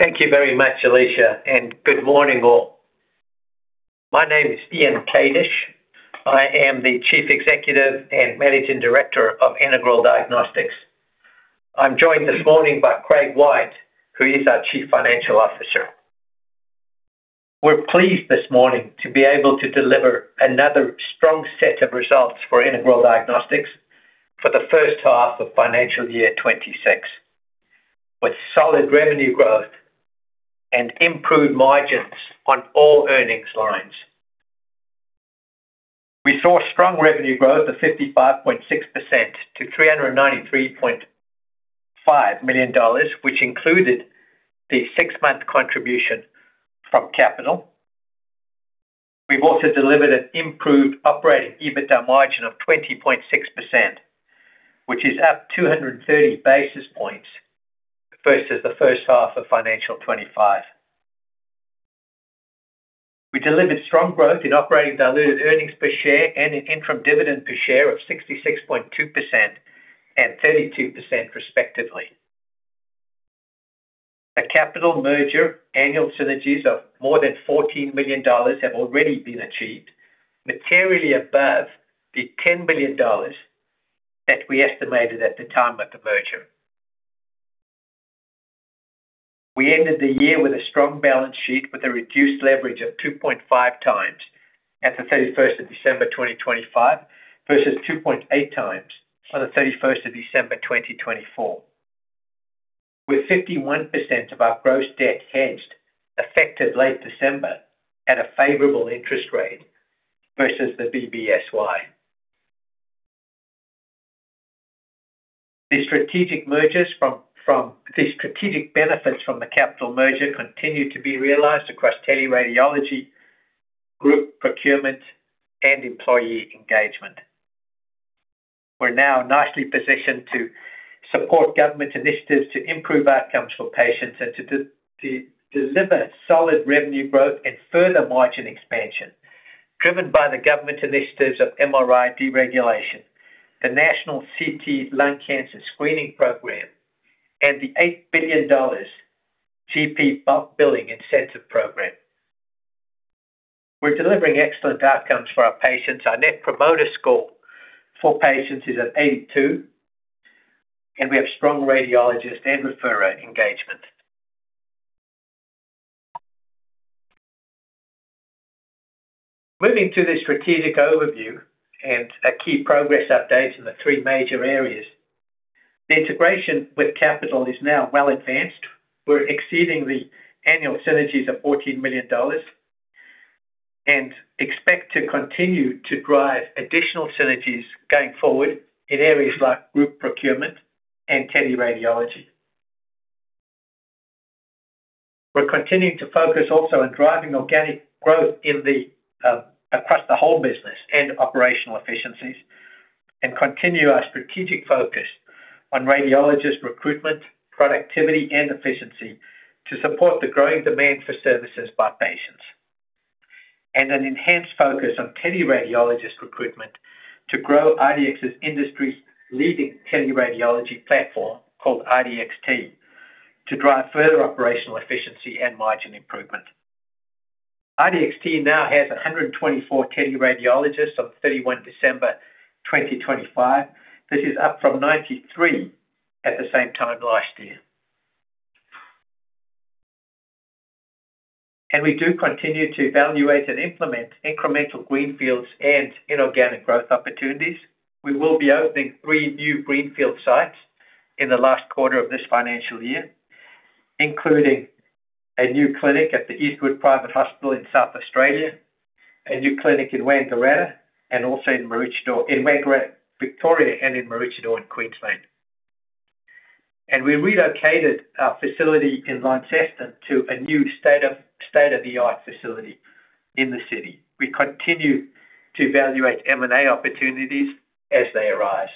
Thank you very much, Alicia. Good morning, all. My name is Ian Kadish. I am the Chief Executive and Managing Director of Integral Diagnostics. I'm joined this morning by Craig White, who is our Chief Financial Officer. We're pleased this morning to be able to deliver another strong set of results for Integral Diagnostics for the first half of financial year 2026, with solid revenue growth and improved margins on all earnings lines. We saw strong revenue growth of 55.6% to 393.5 million dollars, which included the six-month contribution from Capitol. We've also delivered an improved operating EBITDA margin of 20.6%, which is up 230 basis points versus the first half of financial 2025. We delivered strong growth in operating diluted earnings per share and an interim dividend per share of 66.2% and 32% respectively. The Capitol merger, annual synergies of more than 14 million dollars have already been achieved, materially above the 10 million dollars that we estimated at the time of the merger. We ended the year with a strong balance sheet, with a reduced leverage of 2.5x at the 31st of December 2025, versus 2.8x on 31st of December 2024. With 51% of our gross debt hedged, effective late December, at a favorable interest rate versus the BBSY. The strategic benefits from the Capitol merger continue to be realized across teleradiology, group procurement, and employee engagement. We're now nicely positioned to support government initiatives to improve outcomes for patients and to deliver solid revenue growth and further margin expansion, driven by the government initiatives of MRI deregulation, the National CT Lung Cancer Screening Program, and the 8 billion dollars GP Bulk Billing Incentive Program. We're delivering excellent outcomes for our patients. Our Net Promoter Score for patients is at 82, and we have strong radiologists and referrer engagement. Moving to the strategic overview and our key progress updates in the three major areas. The integration with Capitol is now well advanced. We're exceeding the annual synergies of 14 million dollars, and expect to continue to drive additional synergies going forward in areas like group procurement and teleradiology. We're continuing to focus also on driving organic growth in the across the whole business and operational efficiencies, and continue our strategic focus on radiologist recruitment, productivity, and efficiency to support the growing demand for services by patients. An enhanced focus on teleradiologist recruitment to grow IDX's industry-leading teleradiology platform, called IDXt, to drive further operational efficiency and margin improvement. IDXt now has 124 teleradiologists on 31 December 2025. This is up from 93 at the same time last year. We do continue to evaluate and implement incremental greenfields and inorganic growth opportunities. We will be opening three new greenfield sites in the last quarter of this financial year, including a new clinic at the Eastwood Private Hospital in South Australia, a new clinic in Wangaratta, and also in Maroochydore, in Wangaratta, Victoria, and in Maroochydore, in Queensland. We relocated our facility in Launceston to a new state-of-the-art facility in the city. We continue to evaluate M&A opportunities as they arise.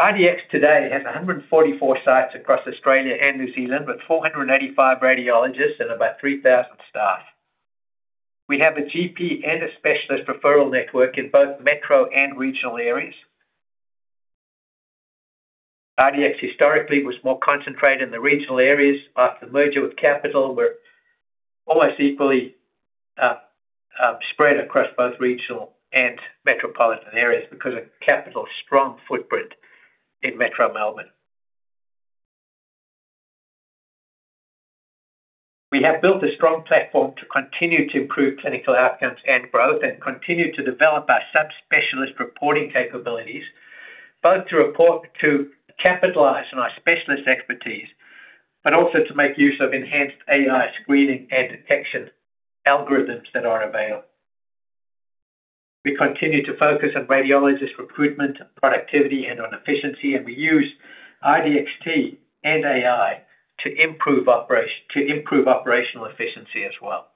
IDX today has 144 sites across Australia and New Zealand, with 485 radiologists and about 3,000 staff. We have a GP and a specialist referral network in both metro and regional areas. IDX historically was more concentrated in the regional areas. After the merger with Capitol, we're almost equally spread across both regional and metropolitan areas because of Capitol’s strong footprint in Metro Melbourne. We have built a strong platform to continue to improve clinical outcomes and growth, and continue to develop our subspecialist reporting capabilities, both to report, to capitalize on our specialist expertise, but also to make use of enhanced AI screening and detection algorithms that are available. We continue to focus on radiologist recruitment, productivity, and on efficiency. We use IDXt and AI to improve operational efficiency as well.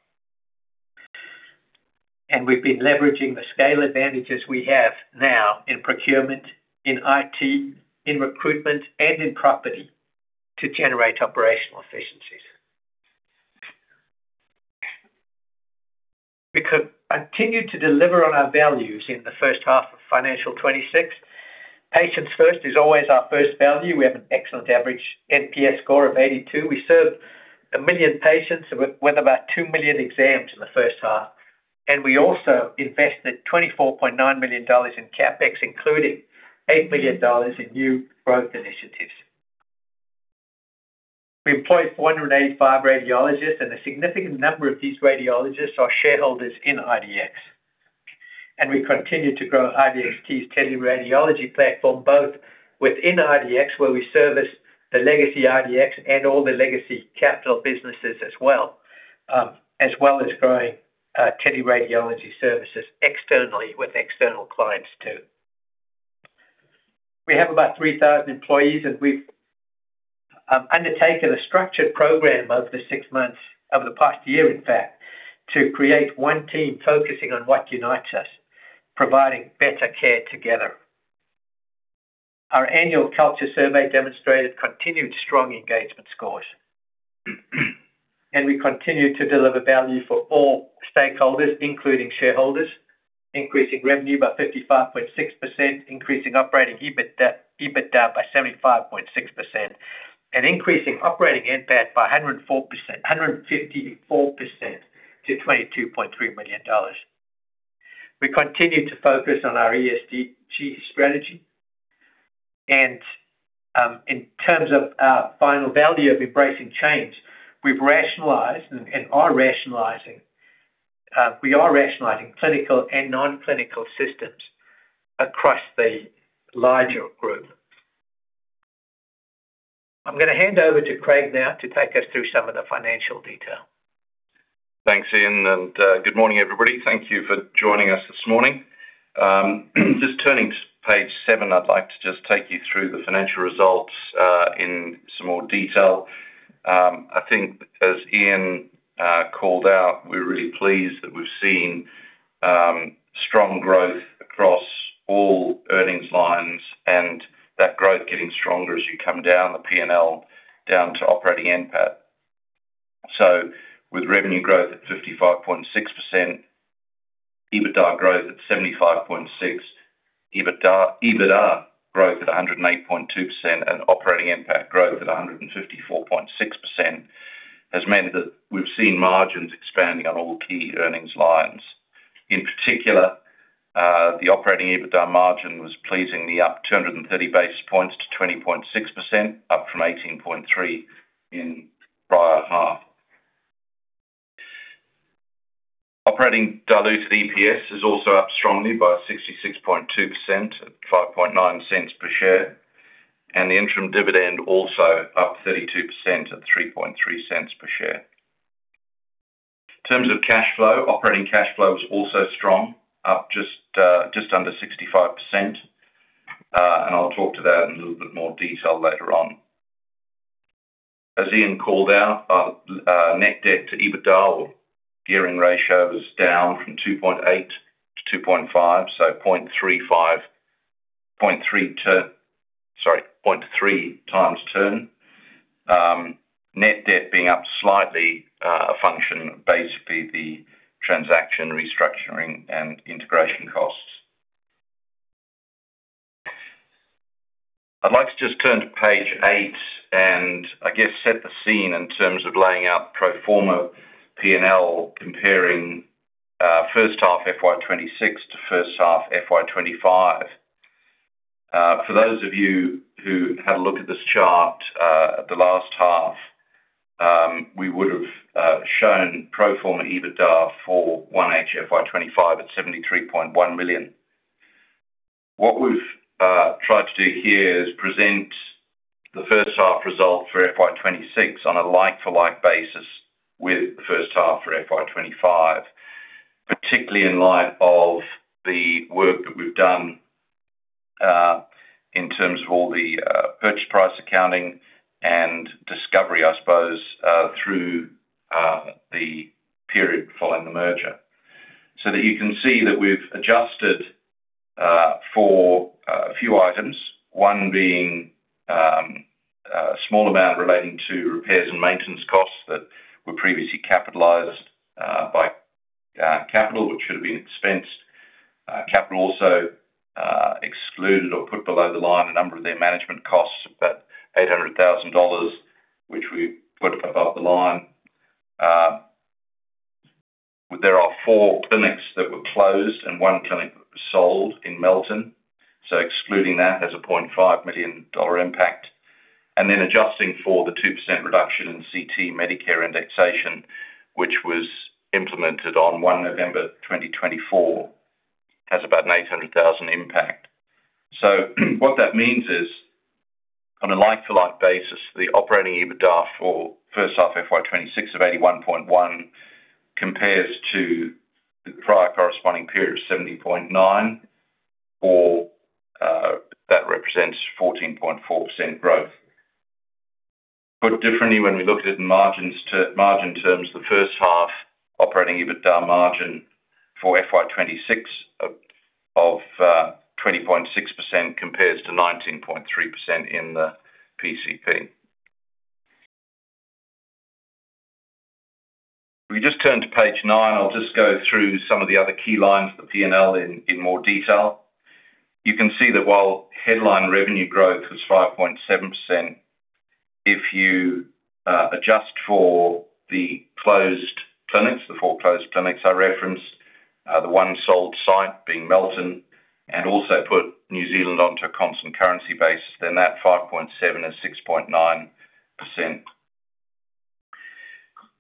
We've been leveraging the scale advantages we have now in procurement, in IT, in recruitment, and in property to generate operational efficiencies. We could continue to deliver on our values in the first half of financial 2026. Patients First is always our first value. We have an excellent average NPS score of 82. We served a million patients with about two million exams in the first half. We also invested 24.9 million dollars in CapEx, including 8 million dollars in new growth initiatives. We employ 485 radiologists. A significant number of these radiologists are shareholders in IDX. We continue to grow IDXt’s teleradiology platform, both within IDX, where we service the legacy IDX and all the legacy Capitol businesses as well, as well as growing teleradiology services externally with external clients, too. We have about 3,000 employees, we've undertaken a structured program over the six months, over the past year, in fact, to create one team focusing on what unites us, providing better care together. Our annual culture survey demonstrated continued strong engagement scores. We continue to deliver value for all stakeholders, including shareholders, increasing revenue by 55.6%, increasing operating EBIT, EBITDA by 75.6%, and increasing operating NPAT by 154% to 22.3 million dollars. We continue to focus on our ESG strategy, and in terms of our final value of embracing change, we've rationalized and are rationalizing, we are rationalizing clinical and non-clinical systems across the larger group. I'm gonna hand over to Craig now to take us through some of the financial detail. Thanks, Ian. Good morning, everybody. Thank you for joining us this morning. Just turning to page seven, I'd like to just take you through the financial results in some more detail. I think as Ian called out, we're really pleased that we've seen strong growth across all earnings lines and that growth getting stronger as you come down the P&L, down to operating NPAT. With revenue growth at 55.6%, EBITDA growth at 75.6%, EBITDA, EBITDA growth at 108.2%, and operating NPAT growth at 154.6%, has meant that we've seen margins expanding on all key earnings lines. In particular, the operating EBITDA margin was pleasingly up 230 basis points to 20.6%, up from 18.3% in the prior half. Operating diluted EPS is also up strongly by 66.2% at 0.059 per share, and the interim dividend also up 32% at 0.033 per share. In terms of cash flow, operating cash flow is also strong, up just under 65%, and I'll talk to that in a little bit more detail later on. As Ian called out, net debt to EBITDA gearing ratio was down from 2.8x to 2.5x, so 0.3x turn. Net debt being up slightly, a function, basically the transaction restructuring and integration costs. I'd like to just turn to page eight and I guess set the scene in terms of laying out pro forma P&L, comparing, first half FY 2026 to first half FY 2025. For those of you who had a look at this chart, at the last half, we would've shown pro forma EBITDA for 1H FY 2025 at 73.1 million. What we've tried to do here is present the first half result for FY 2026 on a like for like basis with the first half for FY 2025, particularly in light of the work that we've done, in terms of all the purchase price accounting and discovery, I suppose, through the period following the merger. That you can see that we've adjusted for a few items, one being a small amount relating to repairs and maintenance costs that were previously capitalized by Capitol, which should have been expensed. Capitol also excluded or put below the line, a number of their management costs, about 800,000 dollars, which we put above the line. There are four clinics that were closed and one clinic sold in Melton, so excluding that as an 500,000 dollar impact, and then adjusting for the 2% reduction in CT Medicare indexation, which was implemented on 1 November 2024, has about an 800,000 impact. What that means is, on a like for like basis, the operating EBITDA for first half FY 2026 of 81.1 million compares to the prior corresponding period of 70.9 million, or that represents 14.4% growth. Put differently, when we looked at margin terms, the first half operating EBITDA margin for FY 2026 of 20.6% compares to 19.3% in the PCP. We just turn to page nine. I'll just go through some of the other key lines of the P&L in more detail. You can see that while headline revenue growth was 5.7%, if you adjust for the closed clinics, the four closed clinics I referenced, the one sold site being Melton, and also put New Zealand onto a constant currency base, then that 5.7% is 6.9%.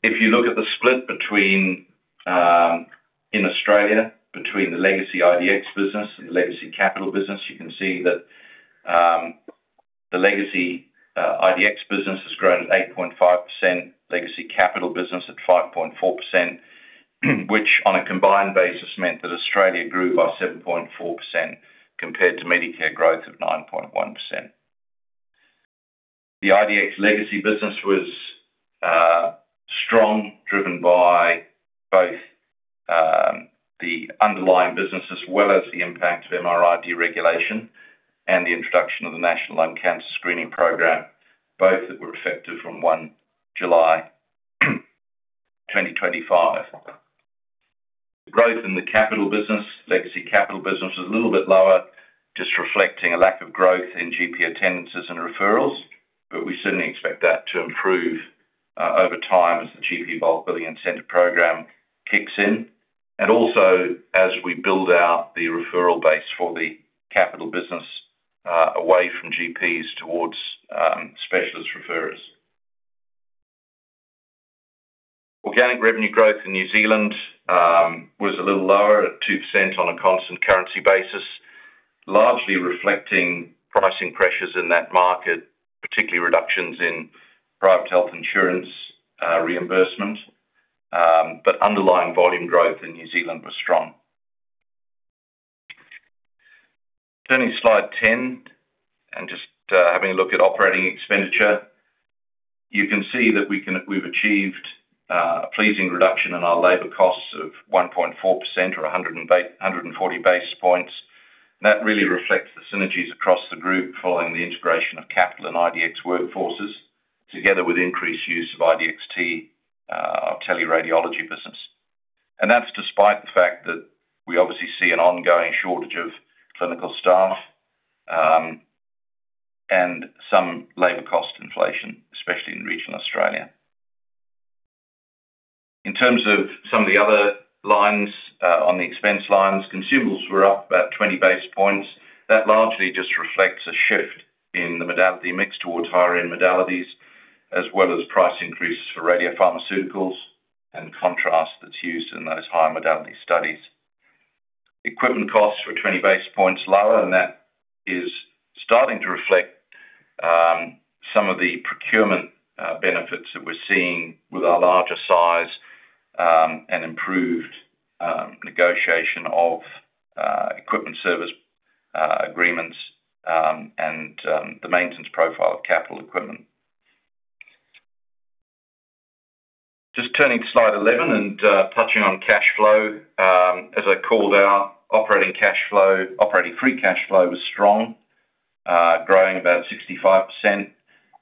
If you look at the split between in Australia, between the legacy IDX business and the legacy Capitol business, you can see that the legacy IDX business has grown at 8.5%, legacy Capitol business at 5.4%, which on a combined basis meant that Australia grew by 7.4% compared to Medicare growth of 9.1%. The IDX legacy business was strong, driven by both the underlying business as well as the impact of MRI deregulation and the introduction of the National Lung Cancer Screening Program, both that were effective from 1 July 2025. Growth in the Capitol business, legacy Capitol business, was a little bit lower, just reflecting a lack of growth in GP attendances and referrals, but we certainly expect that to improve over time as the GP Bulk Billing Incentive Program kicks in, and also as we build out the referral base for the Capitol business away from GPs towards specialist referrers. Organic revenue growth in New Zealand was a little lower at 2% on a constant currency basis, largely reflecting pricing pressures in that market, particularly reductions in private health insurance reimbursement, but underlying volume growth in New Zealand was strong. Turning to slide 10, just having a look at operating expenditure. You can see that we've achieved a pleasing reduction in our labor costs of 1.4% or 140 basis points. That really reflects the synergies across the group following the integration of Capitol and IDX workforces, together with increased use of IDXt, our teleradiology business. That's despite the fact that we obviously see an ongoing shortage of clinical staff and some labor cost inflation, especially in regional Australia. In terms of some of the other lines, on the expense lines, consumables were up about 20 basis points. That largely just reflects a shift in the modality mix towards higher-end modalities, as well as price increases for radiopharmaceuticals and contrast that's used in those high-modality studies. Equipment costs were 20 basis points lower. That is starting to reflect some of the procurement benefits that we're seeing with our larger size and improved negotiation of equipment service agreements and the maintenance profile of capital equipment. Just turning to slide 11 and touching on cash flow. As I called out, operating cash flow, operating free cash flow was strong, growing about 65%.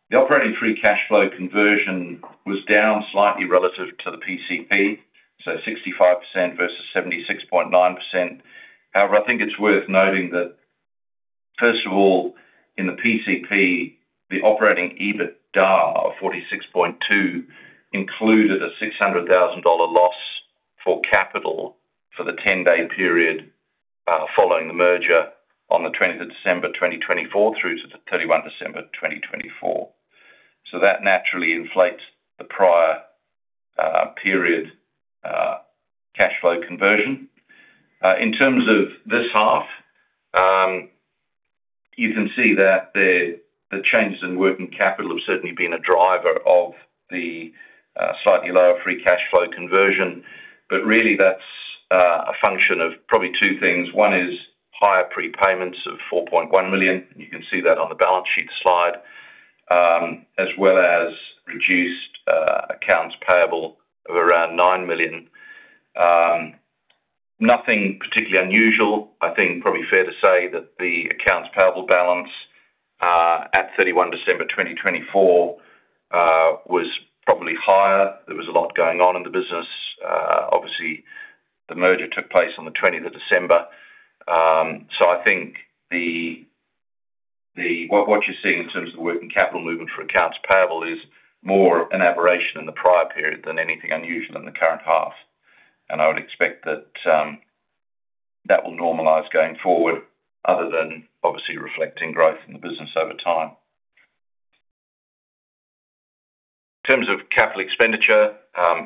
The operating free cash flow conversion was down slightly relative to the PCP, so 65% versus 76.9%. I think it's worth noting that, first of all, in the PCP, the operating EBITDA of 46.2 included an 600,000 dollar loss for Capitol for the 10-day period following the merger on the 20th of December 2024 through to the 31 December 2024. That naturally inflates the prior period cash flow conversion. In terms of this half, you can see that the changes in working capital have certainly been a driver of the slightly lower free cash flow conversion, but really that's a function of probably two things. One is higher prepayments of 4.1 million, you can see that on the balance sheet slide, as well as reduced accounts payable of around 9 million. Nothing particularly unusual. I think probably fair to say that the accounts payable balance at 31 December 2024 was probably higher. There was a lot going on in the business. Obviously, the merger took place on the 20th of December. I think the, what you're seeing in terms of the working capital movement for accounts payable is more an aberration in the prior period than anything unusual in the current half. I would expect that, that will normalize going forward, other than obviously reflecting growth in the business over time. In terms of capital expenditure,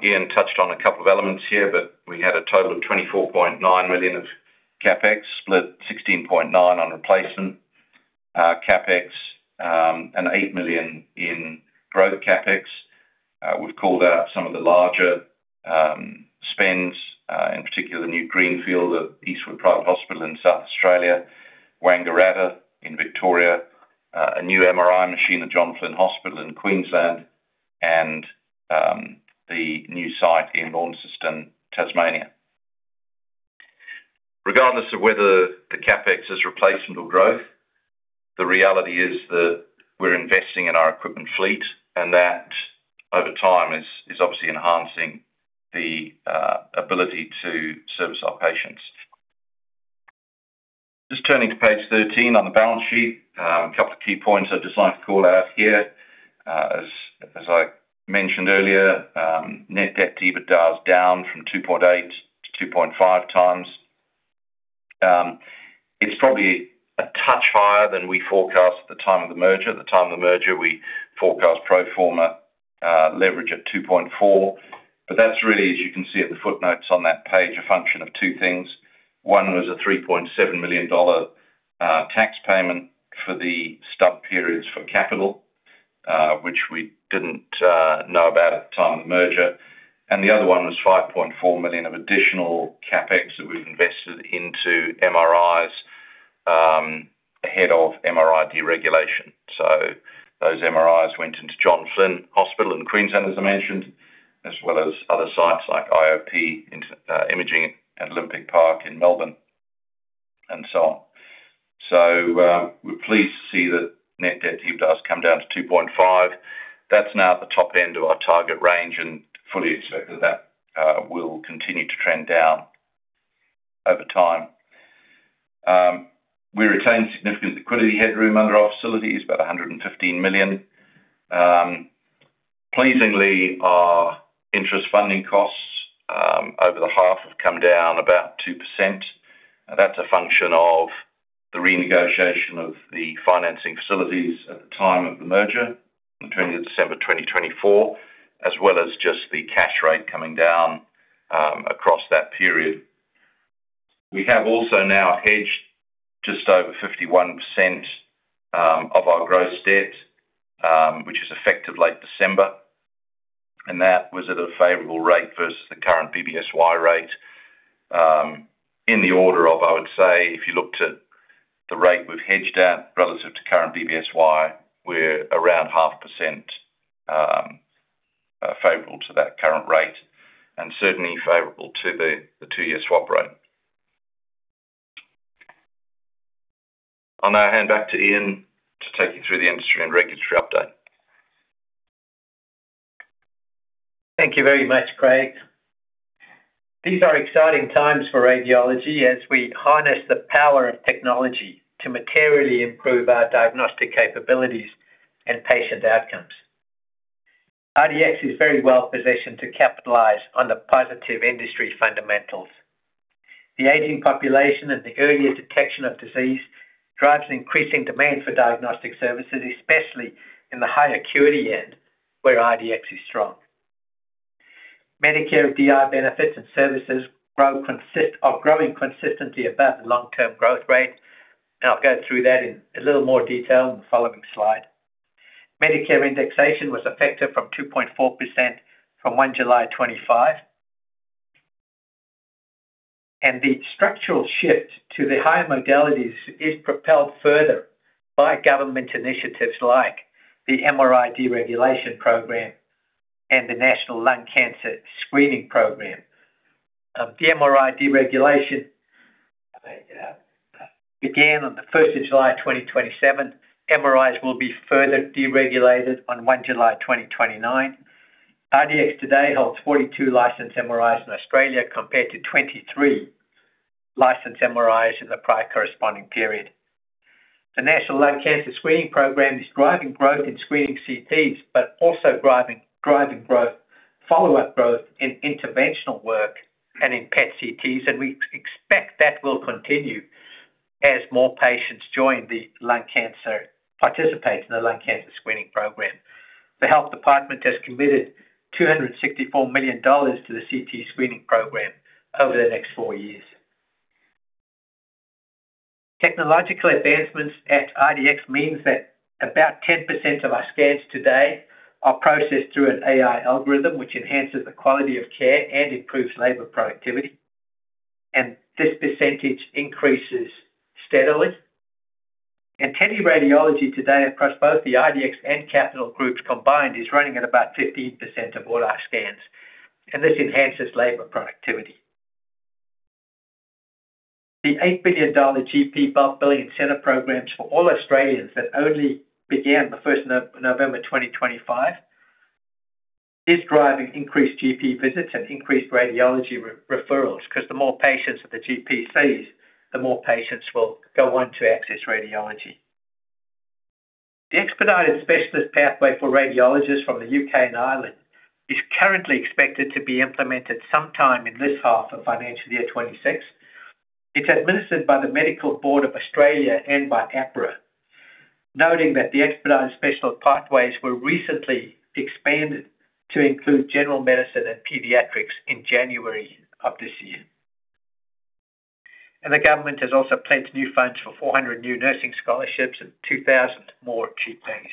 Ian touched on a couple of elements here, but we had a total of 24.9 million of CapEx, split 16.9 million on replacement CapEx, and 8 million in growth CapEx. We've called out some of the larger spends, in particular, the new Greenfield at Eastwood Private Hospital in South Australia, Wangaratta in Victoria, a new MRI machine at John Flynn Hospital in Queensland, and the new site in Launceston, Tasmania. So whether the CapEx is replacement or growth, the reality is that we're investing in our equipment fleet, and that over time is, is obviously enhancing the ability to service our patients. Just turning to page 13 on the balance sheet. A couple of key points I'd just like to call out here. As I mentioned earlier, net debt EBITDA is down from 2.8x to 2.5x. It's probably a touch higher than we forecast at the time of the merger. At the time of the merger, we forecast pro forma leverage at 2.4x, that's really, as you can see at the footnotes on that page, a function of two things. One was an 3.7 million dollar tax payment for the stub periods for Capitol, which we didn't know about at the time of the merger, and the other one was 5.4 million of additional CapEx that we've invested into MRIs ahead of MRI deregulation. Those MRIs went into John Flynn Hospital in Queensland, as I mentioned, as well as other sites like IOP into Imaging @ Olympic Park in Melbourne, and so on. We're pleased to see that net debt EBITDA has come down to 2.5x. That's now at the top end of our target range, and fully expect that will continue to trend down over time. We retained significant liquidity headroom under our facilities, about 115 million. Pleasingly, our interest funding costs over the half have come down about 2%. That's a function of the renegotiation of the financing facilities at the time of the merger, on 20th December 2024, as well as just the cash rate coming down across that period. We have also now hedged just over 51% of our gross debt, which is effective late December, and that was at a favorable rate versus the current BBSY rate. In the order of, I would say, if you looked at the rate we've hedged at relative to current BBSY, we're around 0.5% favorable to that current rate, and certainly favorable to the two-year swap rate. I'll now hand back to Ian to take you through the industry and regulatory update. Thank you very much, Craig. These are exciting times for radiology as we harness the power of technology to materially improve our diagnostic capabilities and patient outcomes. IDX is very well positioned to capitalize on the positive industry fundamentals. The aging population and the earlier detection of disease drives an increasing demand for diagnostic services, especially in the high acuity end, where IDX is strong. Medicare DI benefits and services are growing consistently above the long-term growth rate, and I'll go through that in a little more detail in the following slide. Medicare indexation was effective from 2.4% from 1 July 2025. The structural shift to the higher modalities is propelled further by government initiatives like the MRI Deregulation Program and the National Lung Cancer Screening Program. The MRI deregulation began on 1st of July 2027. MRIs will be further deregulated on 1 July 2029. IDX today holds 42 licensed MRIs in Australia, compared to 23 licensed MRIs in the prior corresponding period. The National Lung Cancer Screening Program is driving growth in screening CTs, but also driving growth, follow-up growth in interventional work and in PET-CTs, and we expect that will continue as more patients participate in the lung cancer screening program. The health department has committed 264 million dollars to the CT screening program over the next four years. Technological advancements at IDX means that about 10% of our scans today are processed through an AI algorithm, which enhances the quality of care and improves labor productivity, and this percentage increases steadily. Teleradiology today, across both the IDX and Capitol groups combined, is running at about 15% of all our scans, and this enhances labor productivity. The 8 billion dollar GP Bulk Billing Incentive Programs for all Australians that only began the 1st of November 2025, is driving increased GP visits and increased radiology referrals, because the more patients that the GP sees, the more patients will go on to access radiology. The Expedited Specialist pathway for radiologists from the U.K. and Ireland is currently expected to be implemented sometime in this half of financial year 2026. It is administered by the Medical Board of Australia and by AHPRA. Noting that the Expedited Specialist pathways were recently expanded to include general medicine and pediatrics in January of this year. The government has also pledged new funds for 400 new nursing scholarships and 2,000 more GP bags.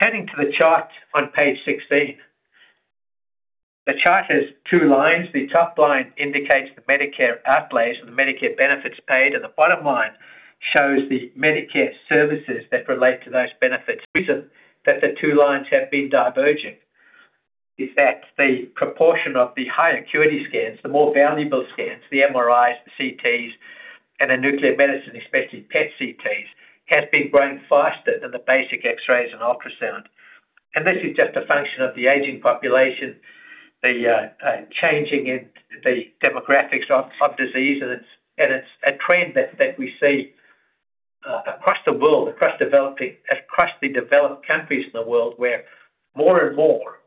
Heading to the chart on page 16. The chart has two lines. The top line indicates the Medicare outlays or the Medicare benefits paid, and the bottom line shows the Medicare services that relate to those benefits. Recent, that the two lines have been diverging. Is that the proportion of the high acuity scans, the more valuable scans, the MRIs, the CTs, and the nuclear medicine, especially PET-CTs, has been growing faster than the basic X-rays and ultrasound. This is just a function of the aging population, the changing in the demographics of disease, and it's a trend that, that we see across the world, across developing—across the developed countries in the world, where more and more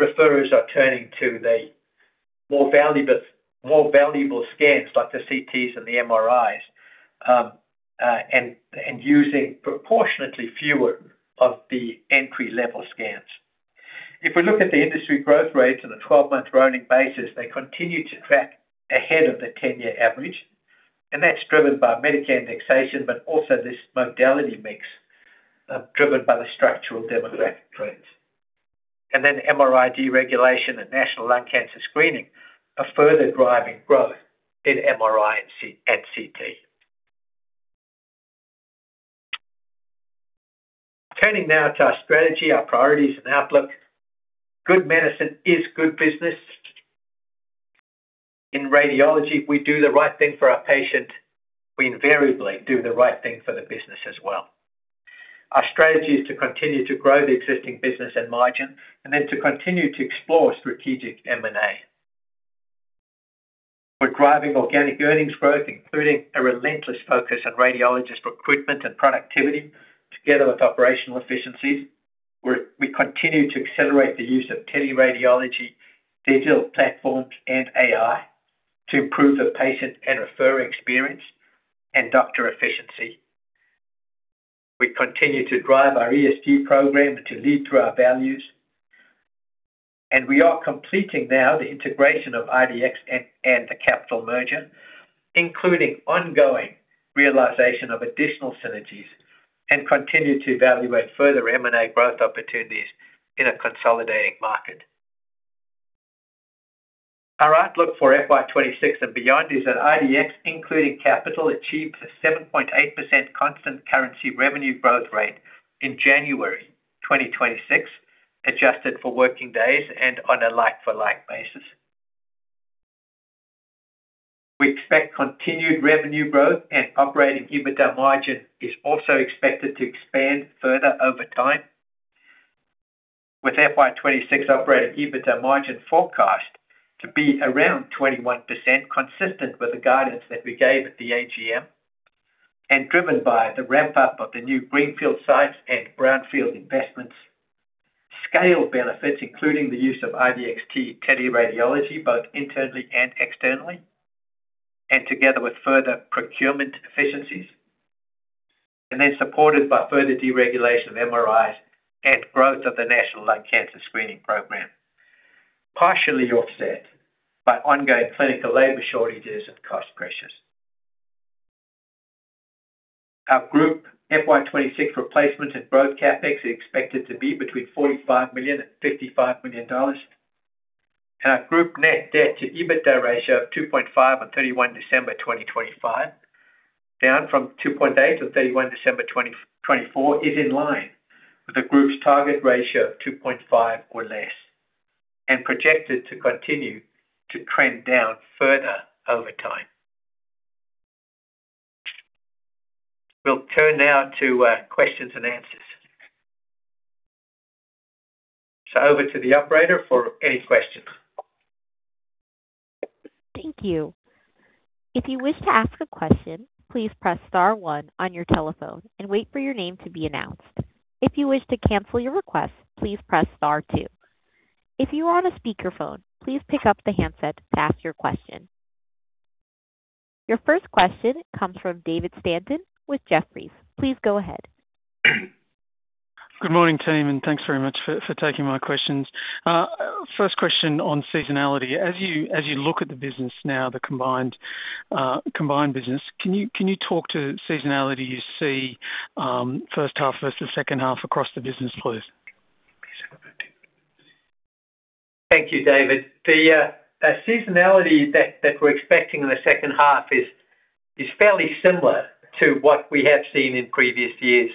referrers are turning to the more valuable scans, like the CTs and the MRIs, and using proportionately fewer of the entry-level scans. If we look at the industry growth rates on a 12-month running basis, they continue to track ahead of the 10-year average, and that's driven by Medicare indexation, but also this modality mix, driven by the structural demographic trends. MRI deregulation and National Lung Cancer Screening are further driving growth in MRI and CT. Turning now to our strategy, our priorities, and outlook. Good medicine is good business. In radiology, if we do the right thing for our patient, we invariably do the right thing for the business as well. Our strategy is to continue to grow the existing business and margin, then to continue to explore strategic M&A. We're driving organic earnings growth, including a relentless focus on radiologist recruitment and productivity, together with operational efficiencies. We continue to accelerate the use of teleradiology, digital platforms, and AI to improve the patient and referrer experience and doctor efficiency. We continue to drive our ESG program to lead through our values. We are completing now the integration of IDX and the Capitol merger, including ongoing realization of additional synergies, continue to evaluate further M&A growth opportunities in a consolidating market. Our outlook for FY 2026 and beyond is that IDX, including Capitol, achieved a 7.8% constant currency revenue growth rate in January 2026, adjusted for working days and on a like-for-like basis. We expect continued revenue growth, and operating EBITDA margin is also expected to expand further over time, with FY 2026 operating EBITDA margin forecast to be around 21%, consistent with the guidance that we gave at the AGM, and driven by the ramp-up of the new greenfield sites and brownfield investments. Scale benefits, including the use of IDXt teleradiology, both internally and externally, and together with further procurement efficiencies, and then supported by further deregulation of MRIs and growth of the National Lung Cancer Screening Program, partially offset by ongoing clinical labor shortages and cost pressures. Our group FY 2026 replacements and growth CapEx is expected to be between 45 million and 55 million dollars, and our group net debt to EBITDA ratio of 2.5x on 31 December 2025, down from 2.8x on 31 December 2024, is in line with the group's target ratio of 2.5x or less, and projected to continue to trend down further over time. We'll turn now to questions and answers. Over to the operator for any questions. Thank you. If you wish to ask a question, please press star one on your telephone and wait for your name to be announced. If you wish to cancel your request, please press star two. If you are on a speakerphone, please pick up the handset to ask your question. Your first question comes from David Stanton with Jefferies. Please go ahead. Good morning, team, thanks very much for taking my questions. First question on seasonality. As you look at the business now, the combined business, can you talk to the seasonality you see, first half versus second half across the business, please? Thank you, David. The seasonality that we're expecting in the second half is fairly similar to what we have seen in previous years.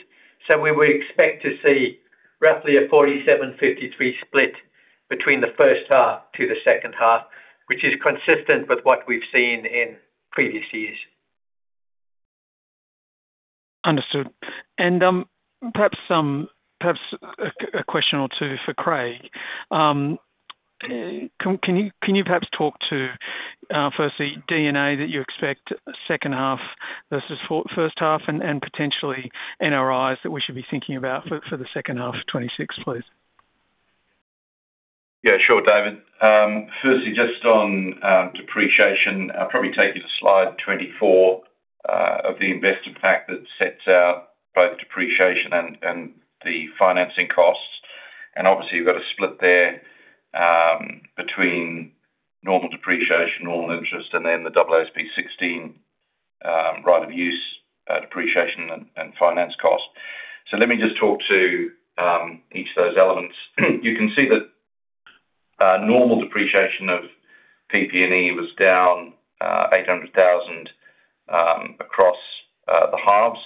We would expect to see roughly a 47%, 53% split between the first half to the second half, which is consistent with what we've seen in previous years. Understood. Perhaps a question or two for Craig. Can you perhaps talk to firstly, D&A that you expect second half versus first half and potentially NRIs that we should be thinking about for the second half of 2026, please? Yeah, sure, David. Firstly, just on depreciation, I'll probably take you to slide 24 of the investor fact that sets out both the depreciation and the financing costs. Obviously, you've got a split there between normal depreciation, normal interest, and then the AASB 16 right of use depreciation and finance costs. Let me just talk to each of those elements. You can see that normal depreciation of PP&E was down 800,000 across the halves,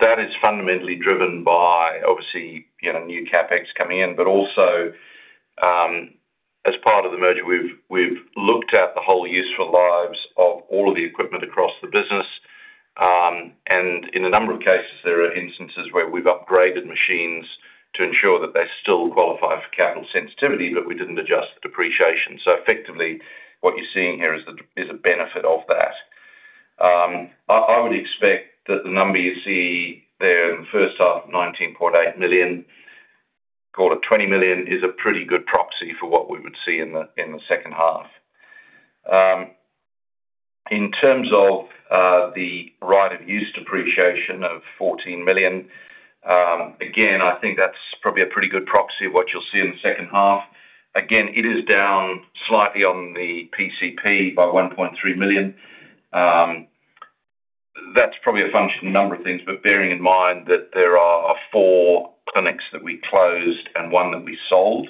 that is fundamentally driven by, obviously, you know, new CapEx coming in, but also, as part of the merger, we've looked at the whole useful lives of all of the equipment across the business. In a number of cases, there are instances where we've upgraded machines to ensure that they still qualify for capital sensitivity, but we didn't adjust the depreciation. Effectively, what you're seeing here is the, is a benefit of that. I would expect that the number you see there in the first half, 19.8 million, call it 20 million, is a pretty good proxy for what we would see in the second half. In terms of the right of use depreciation of 14 million, again, I think that's probably a pretty good proxy of what you'll see in the second half. Again, it is down slightly on the PCP by 1.3 million. That's probably a function of a number of things, bearing in mind that there are four clinics that we closed and one that we sold.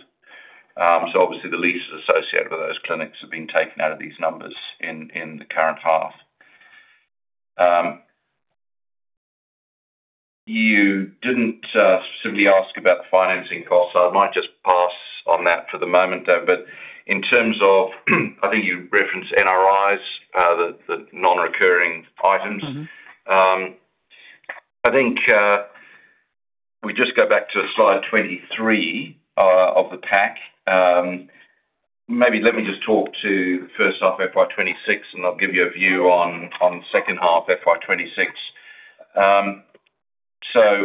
Obviously the leases associated with those clinics have been taken out of these numbers in the current half. You didn't specifically ask about the financing cost, I might just pass on that for the moment, though. In terms of, I think you referenced NRIs, the non-recurring items. I think we just go back to slide 23 of the pack. Maybe let me just talk to the first half of FY 2026, I'll give you a view on the second half, FY 2026.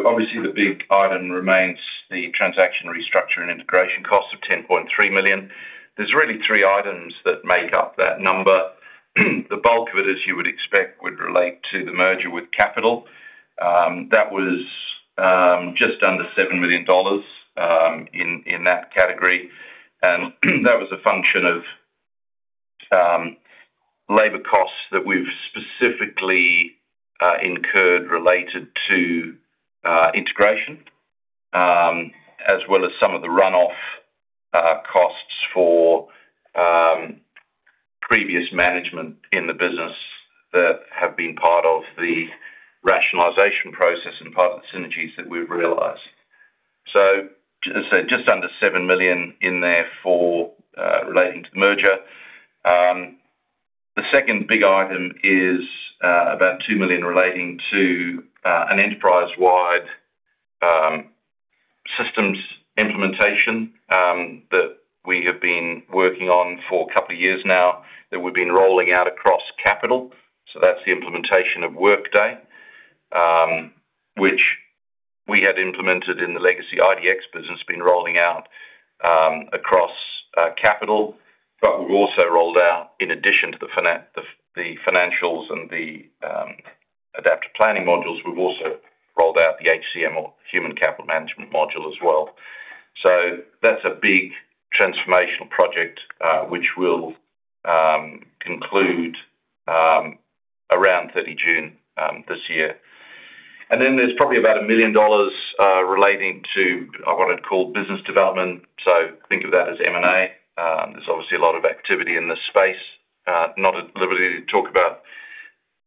Obviously the big item remains the transaction, restructure, and integration cost of 10.3 million. There's really three items that make up that number. The bulk of it, as you would expect, would relate to the merger with Capitol. That was just under 7 million dollars in that category. That was a function of labor costs that we've specifically incurred related to integration, as well as some of the run-off costs for previous management in the business that have been part of the rationalization process and part of the synergies that we've realized. Just under 7 million in there for relating to the merger. The second big item is about 2 million relating to an enterprise-wide systems implementation that we have been working on for a couple of years now, that we've been rolling out across Capitol. That's the implementation of Workday, which we had implemented in the legacy IDX business, been rolling out across Capitol. We've also rolled out, in addition to the financials and the Adaptive Planning modules, we've also rolled out the HCM or Human Capital Management module as well. That's a big transformational project, which will conclude around 30 June this year. There's probably about 1 million dollars relating to what I'd call business development. Think of that as M&A. There's obviously a lot of activity in this space. Not at liberty to talk about,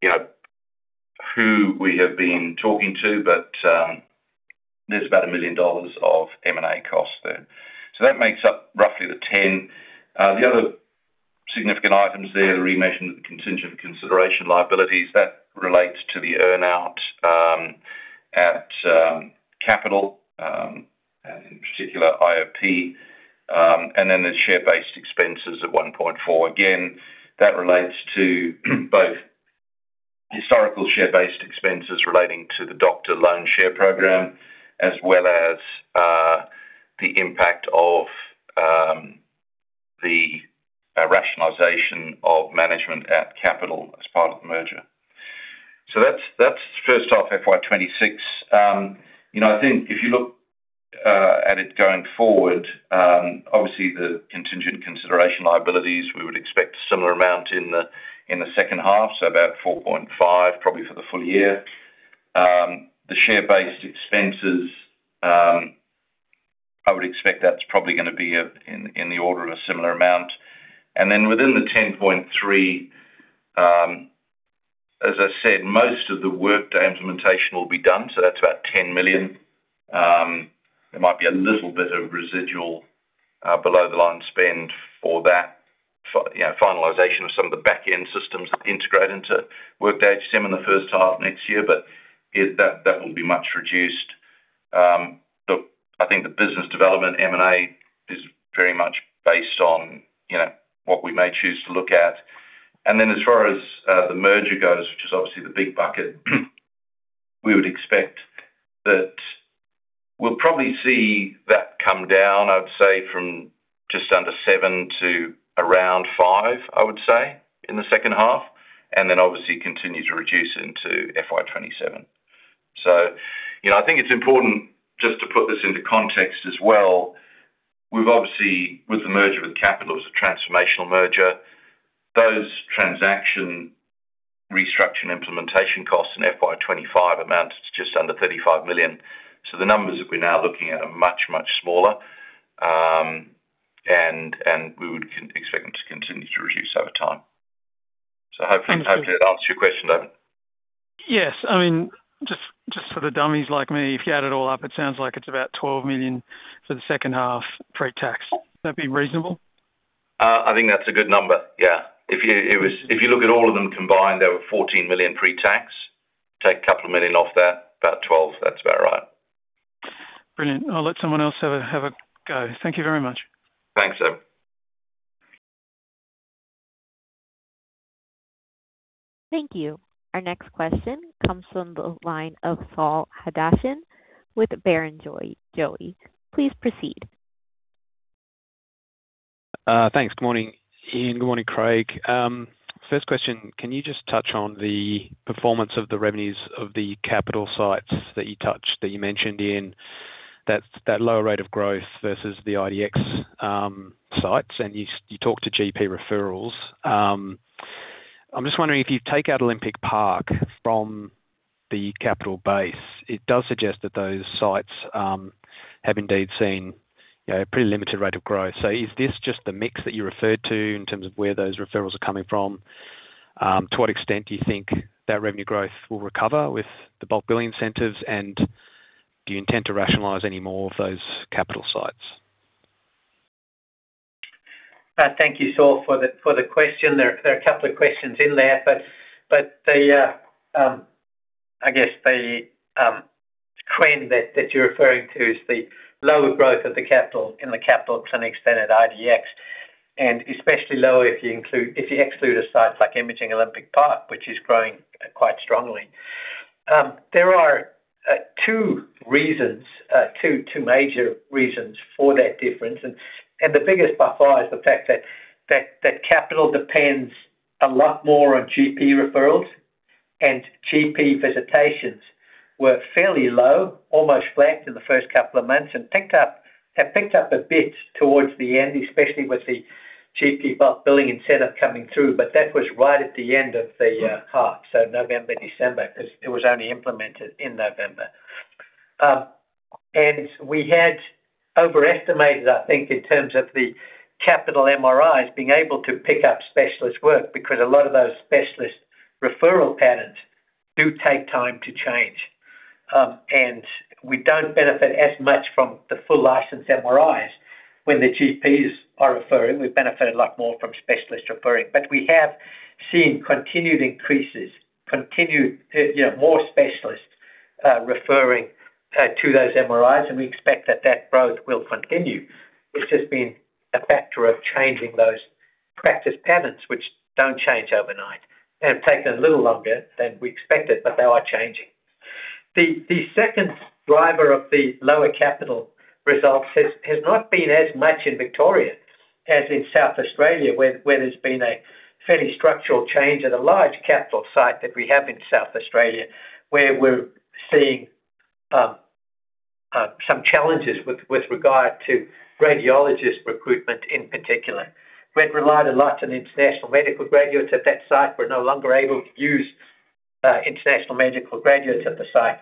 you know, who we have been talking to, but there's about 1 million dollars of M&A costs there. That makes up roughly the 10 million. The other significant items there, the remeasurement of the contingent consideration liabilities, that relates to the earn-out, at Capitol, and in particular, IOP. And then the share-based expenses at 1.4 milllion. Again, that relates to both historical share-based expenses relating to the doctor loan share program, as well as, the impact of the rationalization of management at Capitol as part of the merger. So that's, that's first half, FY 2026. You know, I think if you look at it going forward, obviously, the contingent consideration liabilities, we would expect a similar amount in the, in the second half, so about 4.5 million, probably for the full year. The share-based expenses, I would expect that's probably gonna be in the order of a similar amount. Within the 10.3 millionm as I said, most of the Workday implementation will be done, so that's about 10 million. There might be a little bit of residual, below the line spend for that, you know, finalization of some of the back-end systems that integrate into Workday HCM in the first half next year, but it, that, that will be much reduced. But I think the business development, M&A, is very much based on, you know, what we may choose to look at. As far as the merger goes, which is obviously the big bucket, we would expect that we'll probably see that come down, I'd say from just under 7 million to around 5 million, I would say, in the second half, and then obviously continue to reduce into FY 2027. You know, I think it's important just to put this into context as well. We've obviously, with the merger, with Capitol, it was a transformational merger. Those transaction restructuring implementation costs in FY 2025 amounts to just under 35 million. The numbers that we're now looking at are much, much smaller, and we would expect to reduce over time. Hopefully, hopefully that answers your question, David? Yes. I mean, just, just for the dummies like me, if you add it all up, it sounds like it's about 12 million for the second half pre-tax. Would that be reasonable? I think that's a good number. If you look at all of them combined, there were 14 million pre-tax. Take 2 million off that, about 12 million. That's about right. Brilliant. I'll let someone else have a go. Thank you very much. Thanks, David. Thank you. Our next question comes from the line of Saul Hadassin with Barrenjoey. Please proceed. Thanks. Good morning, Ian. Good morning, Craig. First question, can you just touch on the performance of the revenues of the Capitol sites that you touched, that you mentioned in that lower rate of growth versus the IDX sites? You, you talked to GP referrals. I'm just wondering, if you take out Olympic Park from the Capitol base, it does suggest that those sites have indeed seen a pretty limited rate of growth. Is this just the mix that you referred to in terms of where those referrals are coming from? To what extent do you think that revenue growth will recover with the Bulk Billing Incentives, and do you intend to rationalize any more of those Capitol sites? Thank you, Saul, for the question. There are a couple of questions in there, but I guess the trend that you're referring to is the lower growth of the Capitol in the Capitol to an extent at IDX, and especially lower if you exclude the sites like Imaging Olympic Park, which is growing quite strongly. There are two reasons, two major reasons for that difference, and the biggest by far is the fact that Capitol depends a lot more on GP referrals. And GP visitations were fairly low, almost flat in the first couple of months, and have picked up a bit towards the end, especially with the GP Bulk Billing incentive coming through, but that was right at the end of the half. So November, December, 'cause it was only implemented in November. We had overestimated, I think, in terms of the Capitol MRIs being able to pick up specialist work, because a lot of those specialist referral patterns do take time to change, and we don't benefit as much from the full license MRIs when the GPs are referring. We've benefited a lot more from specialists referring. We have seen continued increases, continued, you know, more specialists referring to those MRIs. We expect that that growth will continue. It's just been a factor of changing those practice patterns, which don't change overnight, and have taken a little longer than we expected, but they are changing. The second driver of the lower Capitol results has not been as much in Victoria as in South Australia, where there's been a fairly structural change at a large Capitol site that we have in South Australia, where we're seeing some challenges with regard to radiologist recruitment in particular. We've relied a lot on international medical graduates at that site, we're no longer able to use international medical graduates at the site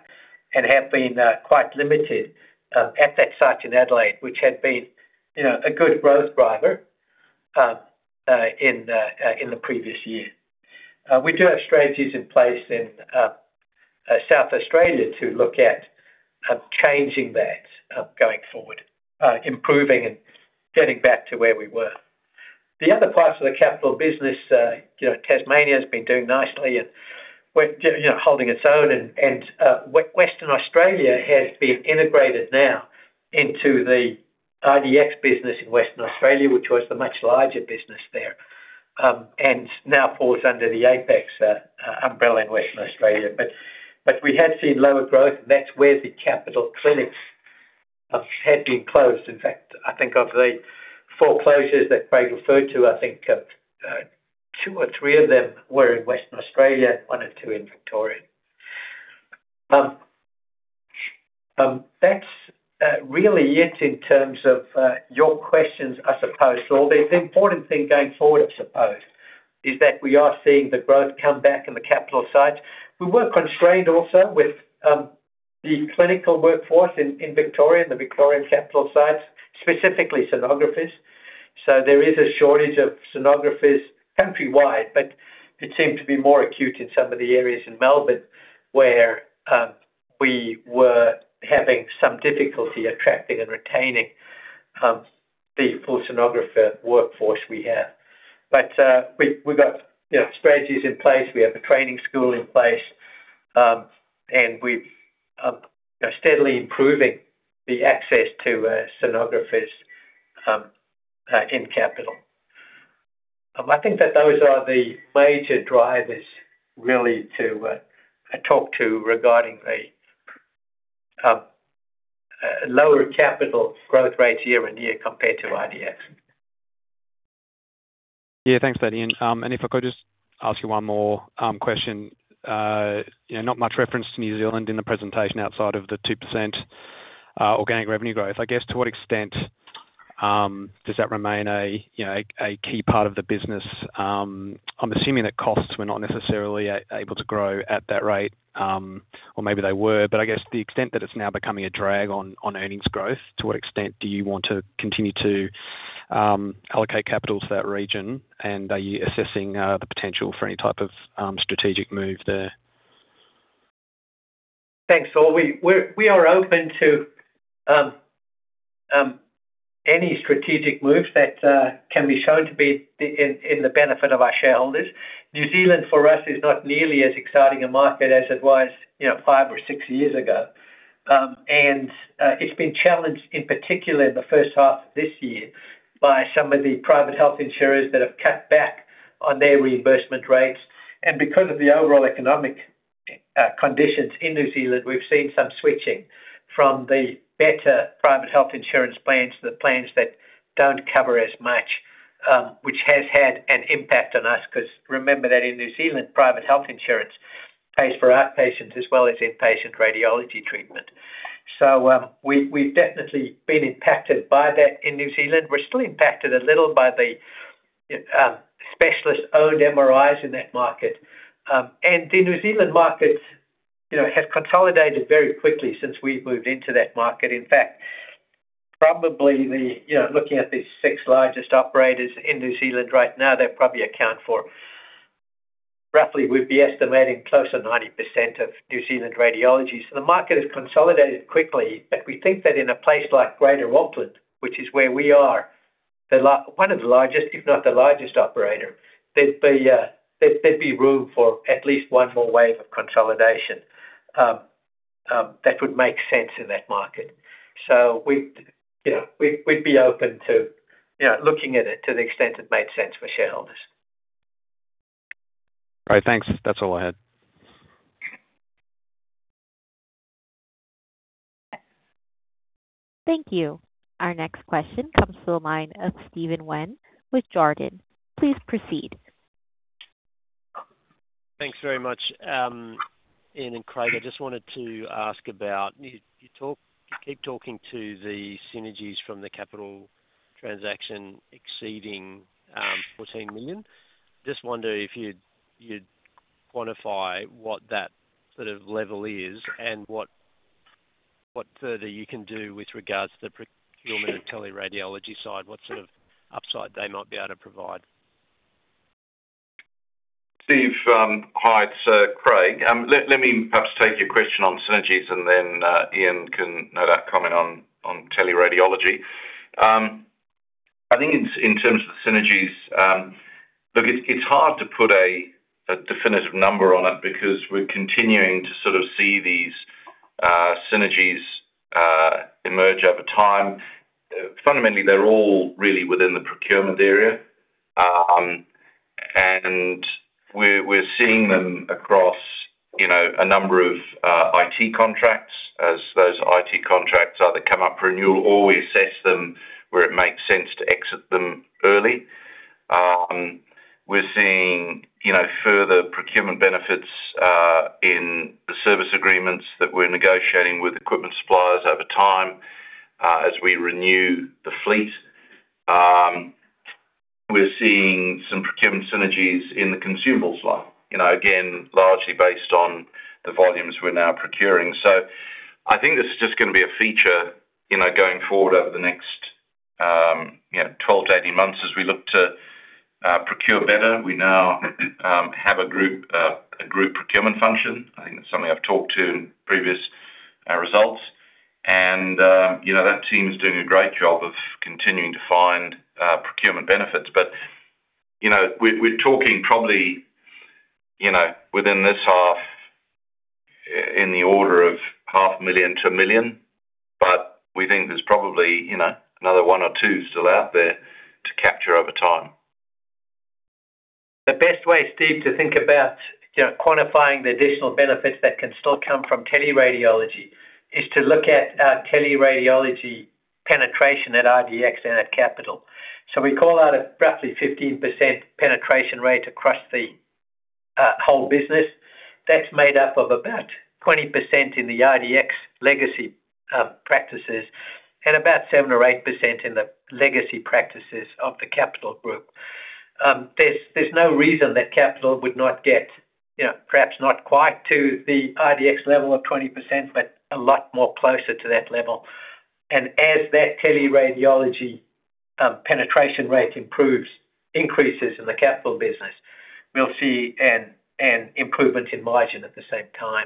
and have been quite limited at that site in Adelaide, which had been, you know, a good growth driver in the previous year. We do have strategies in place in South Australia to look at changing that going forward, improving and getting back to where we were. The other parts of the Capitol business, you know, Tasmania's been doing nicely, and we're, you know, holding its own, and Western Australia has been integrated now into the IDX business in Western Australia, which was the much larger business there, and now falls under the Apex umbrella in Western Australia. We have seen lower growth, and that's where the Capitol clinics had been closed. In fact, I think of the four closures that Craig referred to, I think, two or three of them were in Western Australia, one or two in Victoria. That's really it in terms of your questions, I suppose. The important thing going forward, I suppose, is that we are seeing the growth come back in the Capitol sites. We were constrained also with the clinical workforce in Victoria, in the Victorian Capitol sites, specifically sonographers. There is a shortage of sonographers countrywide, but it seemed to be more acute in some of the areas in Melbourne, where we were having some difficulty attracting and retaining the full sonographer workforce we have. We've got, you know, strategies in place. We have a training school in place, and we've are steadily improving the access to sonographers in Capitol. I think that those are the major drivers really to talk to regarding the lower Capitol growth rates year-on-year compared to IDX. Yeah, thanks for that, Ian. If I could just ask you one more question. you know, not much reference to New Zealand in the presentation outside of the 2% organic revenue growth. I guess, to what extent does that remain a, you know, a key part of the business? I'm assuming that costs were not necessarily able to grow at that rate, or maybe they were, but I guess the extent that it's now becoming a drag on earnings growth, to what extent do you want to continue to allocate capital to that region? Are you assessing the potential for any type of strategic move there? Thanks, Saul. We are open to any strategic moves that can be shown to be in the benefit of our shareholders. New Zealand, for us, is not nearly as exciting a market as it was, you know, five or six years ago. It's been challenged, in particular, in the first half of this year, by some of the private health insurers that have cut back on their reimbursement rates. Because of the overall economic conditions in New Zealand, we've seen some switching from the better private health insurance plans to the plans that don't cover as much, which has had an impact on us. Because remember that in New Zealand, private health insurance pays for outpatients as well as inpatient radiology treatment. We've definitely been impacted by that in New Zealand. We're still impacted a little by the specialist-owned MRIs in that market. The New Zealand market, you know, has consolidated very quickly since we've moved into that market. In fact, probably the, you know, looking at the six largest operators in New Zealand right now, they probably account for roughly, we'd be estimating, close to 90% of New Zealand radiology. The market has consolidated quickly, but we think that in a place like Greater Auckland, which is where we are, the one of the largest, if not the largest operator, there'd be room for at least one more wave of consolidation that would make sense in that market. We'd, you know, we'd be open to, you know, looking at it to the extent it made sense for shareholders. All right, thanks. That's all I had. Thank you. Our next question comes to the line of Steven Wheen with Jarden. Please proceed. Thanks very much. Ian and Craig, I just wanted to ask about, you keep talking to the synergies from the Capitol transaction exceeding 14 million. Just wonder if you'd quantify what that sort of level is and what further you can do with regards to the procurement of teleradiology side, what sort of upside they might be able to provide? Steven, hi, it's Craig. Let, let me perhaps take your question on synergies, and then Ian can no doubt comment on teleradiology. I think in terms of the synergies, look, it's hard to put a definitive number on it because we're continuing to sort of see these synergies emerge over time. Fundamentally, they're all really within the procurement area. We're, we're seeing them across, you know, a number of IT contracts. As those IT contracts either come up for renewal, or we assess them where it makes sense to exit them early. We're seeing, you know, further procurement benefits in the service agreements that we're negotiating with equipment suppliers over time, as we renew the fleet. We're seeing some procurement synergies in the consumables line, you know, again, largely based on the volumes we're now procuring. I think this is just gonna be a feature, you know, going forward over the next, you know, 12-18 months as we look to procure better. We now have a group procurement function. I think that's something I've talked to in previous results. You know, that team is doing a great job of continuing to find procurement benefits. You know, we're, we're talking probably, you know, within this half in the order of 500,000-1 million, but we think there's probably, you know, another one or two still out there to capture over time. The best way, Steven, to think about, you know, quantifying the additional benefits that can still come from teleradiology is to look at our teleradiology penetration at IDX and at Capitol. We call out a roughly 15% penetration rate across the whole business. That's made up of about 20% in the IDX legacy practices and about 7% or 8% in the legacy practices of the Capitol Group. There's no reason that Capitol would not get, you know, perhaps not quite to the IDX level of 20%, but a lot more closer to that level. As that teleradiology penetration rate improves, increases in the Capitol business, we'll see an improvement in margin at the same time.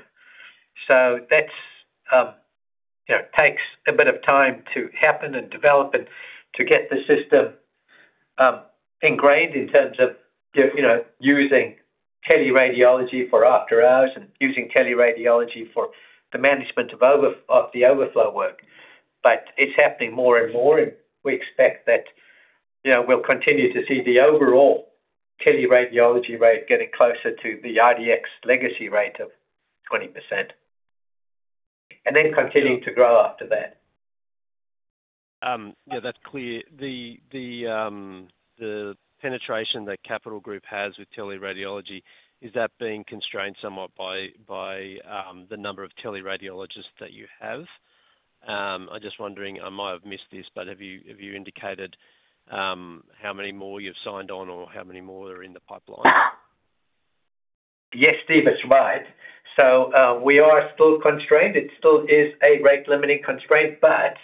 That's, you know, takes a bit of time to happen and develop and to get the system ingrained in terms of the, you know, using teleradiology for after-hours and using teleradiology for the management of the overflow work. It's happening more and more, and we expect that, you know, we'll continue to see the overall teleradiology rate getting closer to the IDX legacy rate of 20%, and then continuing to grow after that. Yeah, that's clear. The penetration that Capitol Group has with teleradiology, is that being constrained somewhat by the number of teleradiologists that you have? I'm just wondering, I might have missed this, but have you indicated, how many more you've signed on or how many more are in the pipeline? Yes, Steven, that's right. We are still constrained. It still is a rate-limiting constraint, but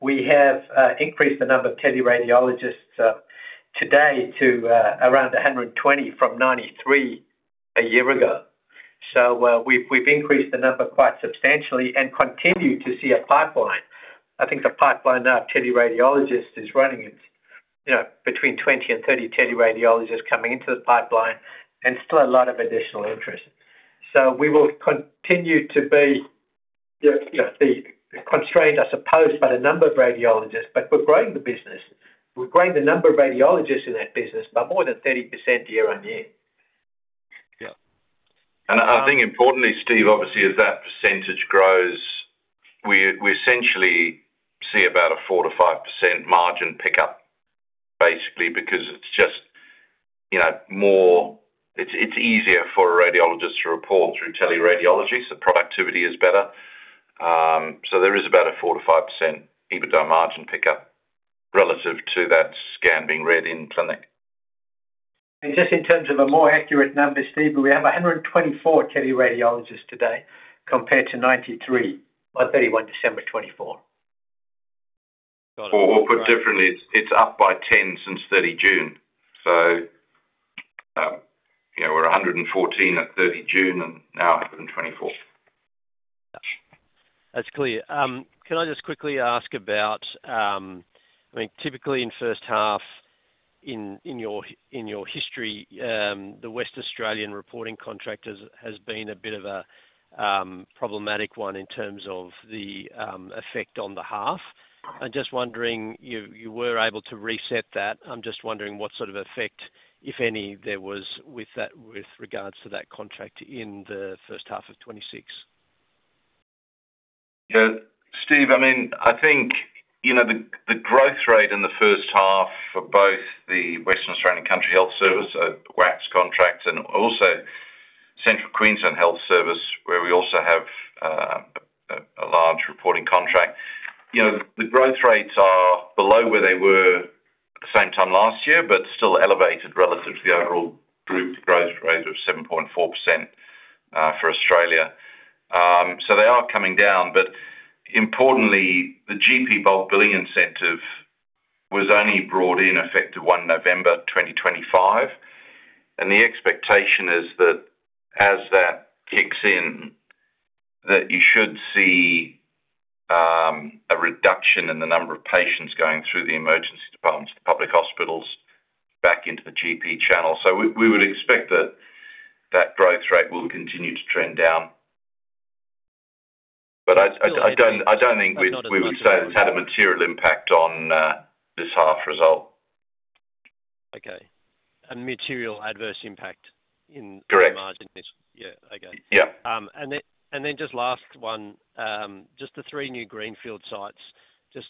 we have increased the number of teleradiologists today to around 120 from 93 a year ago. We've increased the number quite substantially and continue to see a pipeline. I think the pipeline now, teleradiologist, is running at, you know, between 20 and 30 teleradiologists coming into the pipeline and still a lot of additional interest. We will continue to be, you know, be constrained, I suppose, by the number of radiologists, but we're growing the business. We're growing the number of radiologists in that business by more than 30% year on year. Yeah. I think importantly, Steven, obviously, as that percentage grows, we essentially see about a 4%-5% margin pickup, basically, because it's just, you know, it's easier for a radiologist to report through teleradiology, so productivity is better. There is about a 4%-5% EBITDA margin pickup relative to that scan being read in clinic. Just in terms of a more accurate number, Steven, we have 124 teleradiologists today compared to 93 by 31 December 2024. Put differently, it's up by 10 since 30 June. You know, we're 114 at 30 June, and now 124. That's clear. Can I just quickly ask about, typically in first half in, in your history, the West Australian reporting contract has been a bit of a problematic one in terms of the effect on the half. I'm just wondering, you were able to reset that. I'm just wondering what sort of effect, if any, there was with that, with regards to that contract in the first half of 2026? Yeah, Steve, I mean, I think, you know, the growth rate in the first half for both the Western Australian Country Health Service, WACHS contract, and also Central Queensland Health Service, where we also have a large reporting contract. You know, the growth rates are below where they were at the same time last year, but still elevated relative to the overall group growth rate of 7.4% for Australia. They are coming down, but importantly, the GP Bulk Billing Incentive was only brought in effective 1 November 2025, and the expectation is that as that kicks in, that you should see a reduction in the number of patients going through the emergency departments to public hospitals back into the GP channel. We would expect that growth rate will continue to trend down. I don't think we would say it's had a material impact on this half result. Okay. A material adverse impact in margin. Correct. Yeah. Okay. Yeah. Then, and then just last one, just the three new greenfield sites, just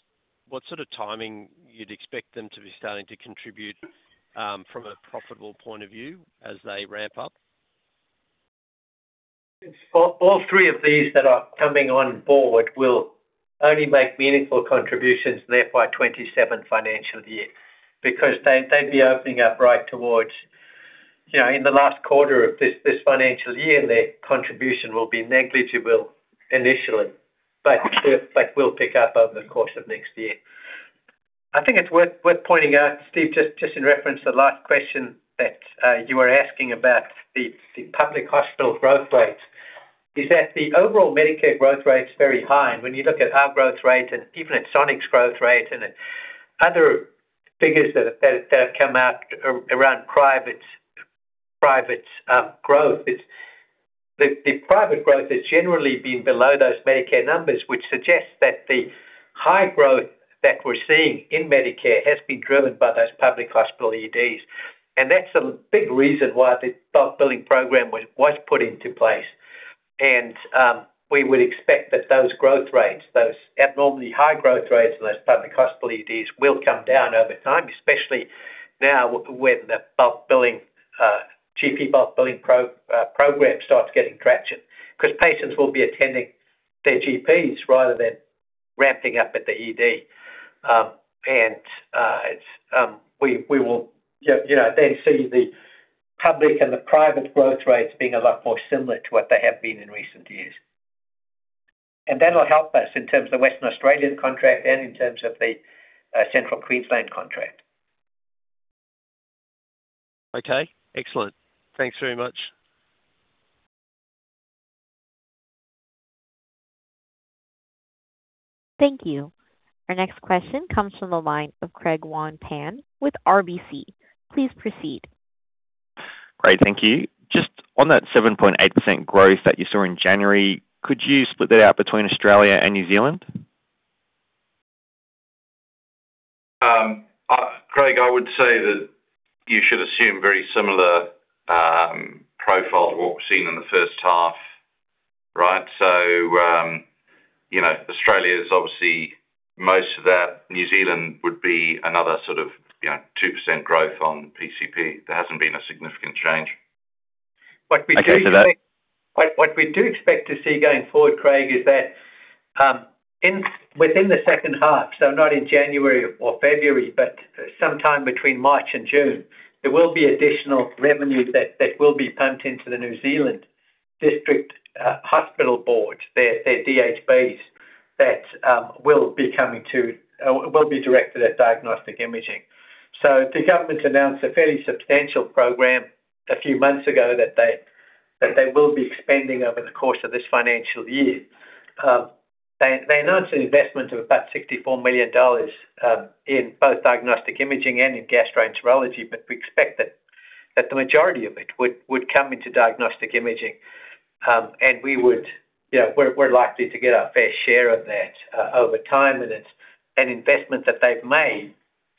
what sort of timing you'd expect them to be starting to contribute, from a profitable point of view as they ramp up? All three of these that are coming on board will only make meaningful contributions in FY 2027 financial year, because they'd be opening up right towards, you know, in the last quarter of this financial year, and their contribution will be negligible initially, but will pick up over the course of next year. I think it's worth pointing out, Steven, just in reference to the last question that, you were asking about the public hospital growth rates, is that the overall Medicare growth rate is very high. When you look at our growth rate and even at Sonic's growth rate and other figures that have come out around private growth, the private growth has generally been below those Medicare numbers, which suggests that the high growth that we're seeing in Medicare has been driven by those public hospital EDs. That's a big reason why the Bulk Billing Program was put into place. We would expect that those growth rates, those abnormally high growth rates in those public hospital EDs, will come down over time, especially now with the GP Bulk Billing Program starts getting traction. Patients will be attending their GPs rather than ramping up at the ED. We will, you know, then see the public and the private growth rates being a lot more similar to what they have been in recent years. That'll help us in terms of the Western Australian contract and in terms of the Central Queensland contract. Okay, excellent. Thanks very much. Thank you. Our next question comes from the line of Craig Wong-Pan with RBC. Please proceed. Great, thank you. Just on that 7.8% growth that you saw in January, could you split that out between Australia and New Zealand? Craig, I would say that you should assume very similar profile to what we've seen in the first half, right? You know, Australia is obviously most of that. New Zealand would be another sort of, you know, 2% growth on PCP. There hasn't been a significant change. Okay. What we do expect to see going forward, Craig, is that, within the second half, so not in January or February, but sometime between March and June, there will be additional revenues that will be pumped into the New Zealand District Hospital Board, their DHBs. That will be coming to, or will be directed at diagnostic imaging. The government's announced a fairly substantial program a few months ago that they will be expanding over the course of this financial year. They announced an investment of about 64 million dollars in both diagnostic imaging and in gastroenterology, but we expect that the majority of it would come into diagnostic imaging. We would—we're likely to get our fair share of that, over time, and it's an investment that they've made,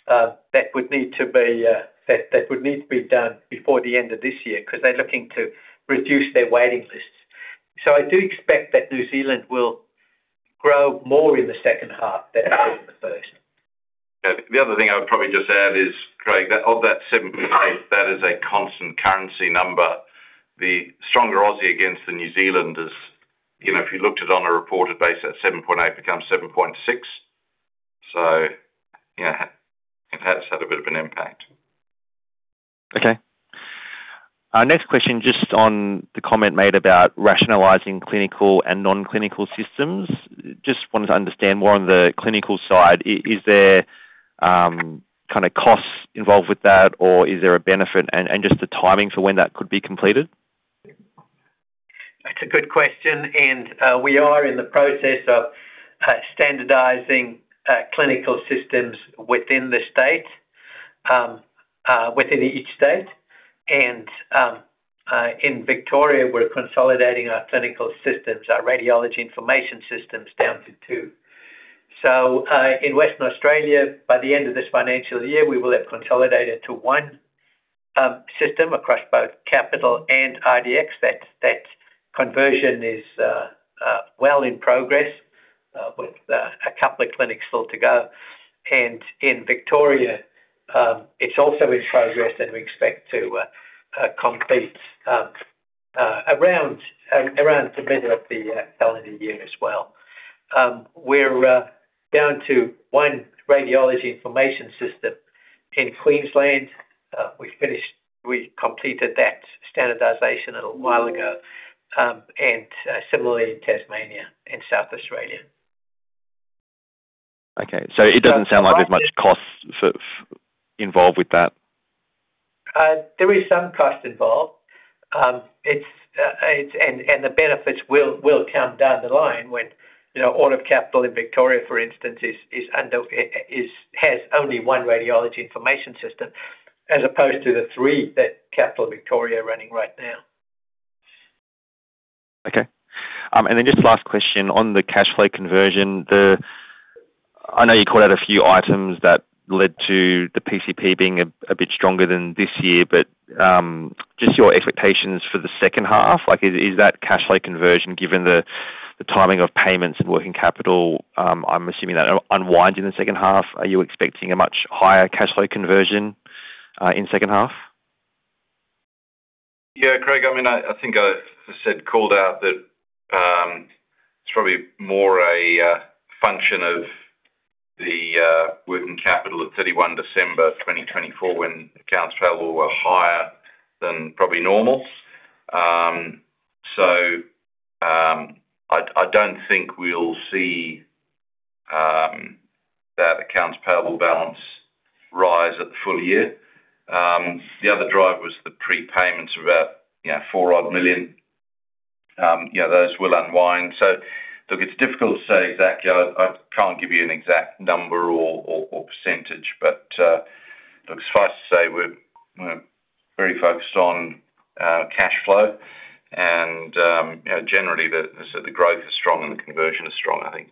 that would need to be, that would need to be done before the end of this year because they're looking to reduce their waiting lists. I do expect that New Zealand will grow more in the second half than it did in the first. The other thing I would probably just add is, Craig, that of that 7.8%, that is a constant currency number. The stronger Aussie against New Zealand is, you know, if you looked at it on a reported basis, that 7.8% becomes 7.6%. Yeah, it has had a bit of an impact. Okay. Next question, just on the comment made about rationalizing clinical and non-clinical systems. Just wanted to understand more on the clinical side, is there, kind of costs involved with that, or is there a benefit and just the timing for when that could be completed? That's a good question, and we are in the process of standardizing clinical systems within the state—within each state. In Victoria, we're consolidating our clinical systems, our radiology information systems down to two. In Western Australia, by the end of this financial year, we will have consolidated to one system across both Capitol and IDX. That conversion is well in progress, with a couple of clinics still to go. In Victoria, it's also in progress, and we expect to complete around the middle of the calendar year as well. We're down to one radiology information system in Queensland. We completed that standardization a while ago, and similarly in Tasmania and South Australia. Okay. It doesn't sound like there's much cost for—involved with that. There is some cost involved. The benefits will come down the line when, you know, all of Capital in Victoria, for instance, is under—has only one radiology information system, as opposed to the three that Capital and Victoria are running right now. Okay. Just last question on the cash flow conversion. I know you called out a few items that led to the PCP being a bit stronger than this year, but just your expectations for the second half, like, is that cash flow conversion, given the timing of payments and working capital, I'm assuming that unwind in the second half, are you expecting a much higher cash flow conversion in second half? Yeah, Craig, I mean, I think, I said—called out that, it's probably more a function of the working capital at 31 December 2024, when accounts payable were higher than probably normal. I don't think we'll see that accounts payable balance rise at the full year. The other drive was the prepayments of about, you know, 4 million. Yeah, those will unwind. Look, it's difficult to say exactly. I can't give you an exact number or percentage, but look, suffice to say, we're very focused on cash flow and, you know, generally, the growth is strong and the conversion is strong, I think.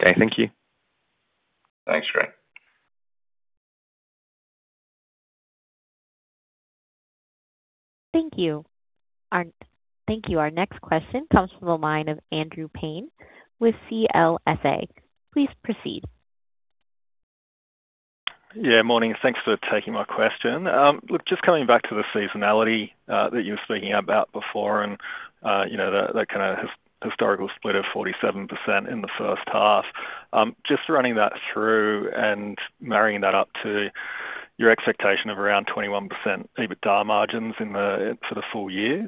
Okay. Thank you. Thanks, Craig. Thank you. Thank you. Our next question comes from the line of Andrew Paine with CLSA. Please proceed. Yeah, morning. Thanks for taking my question. Look, just coming back to the seasonality that you were speaking about before, and you know, that kind of historical split of 47% in the first half. Just running that through and marrying that up to your expectation of around 21% EBITDA margins for the full year.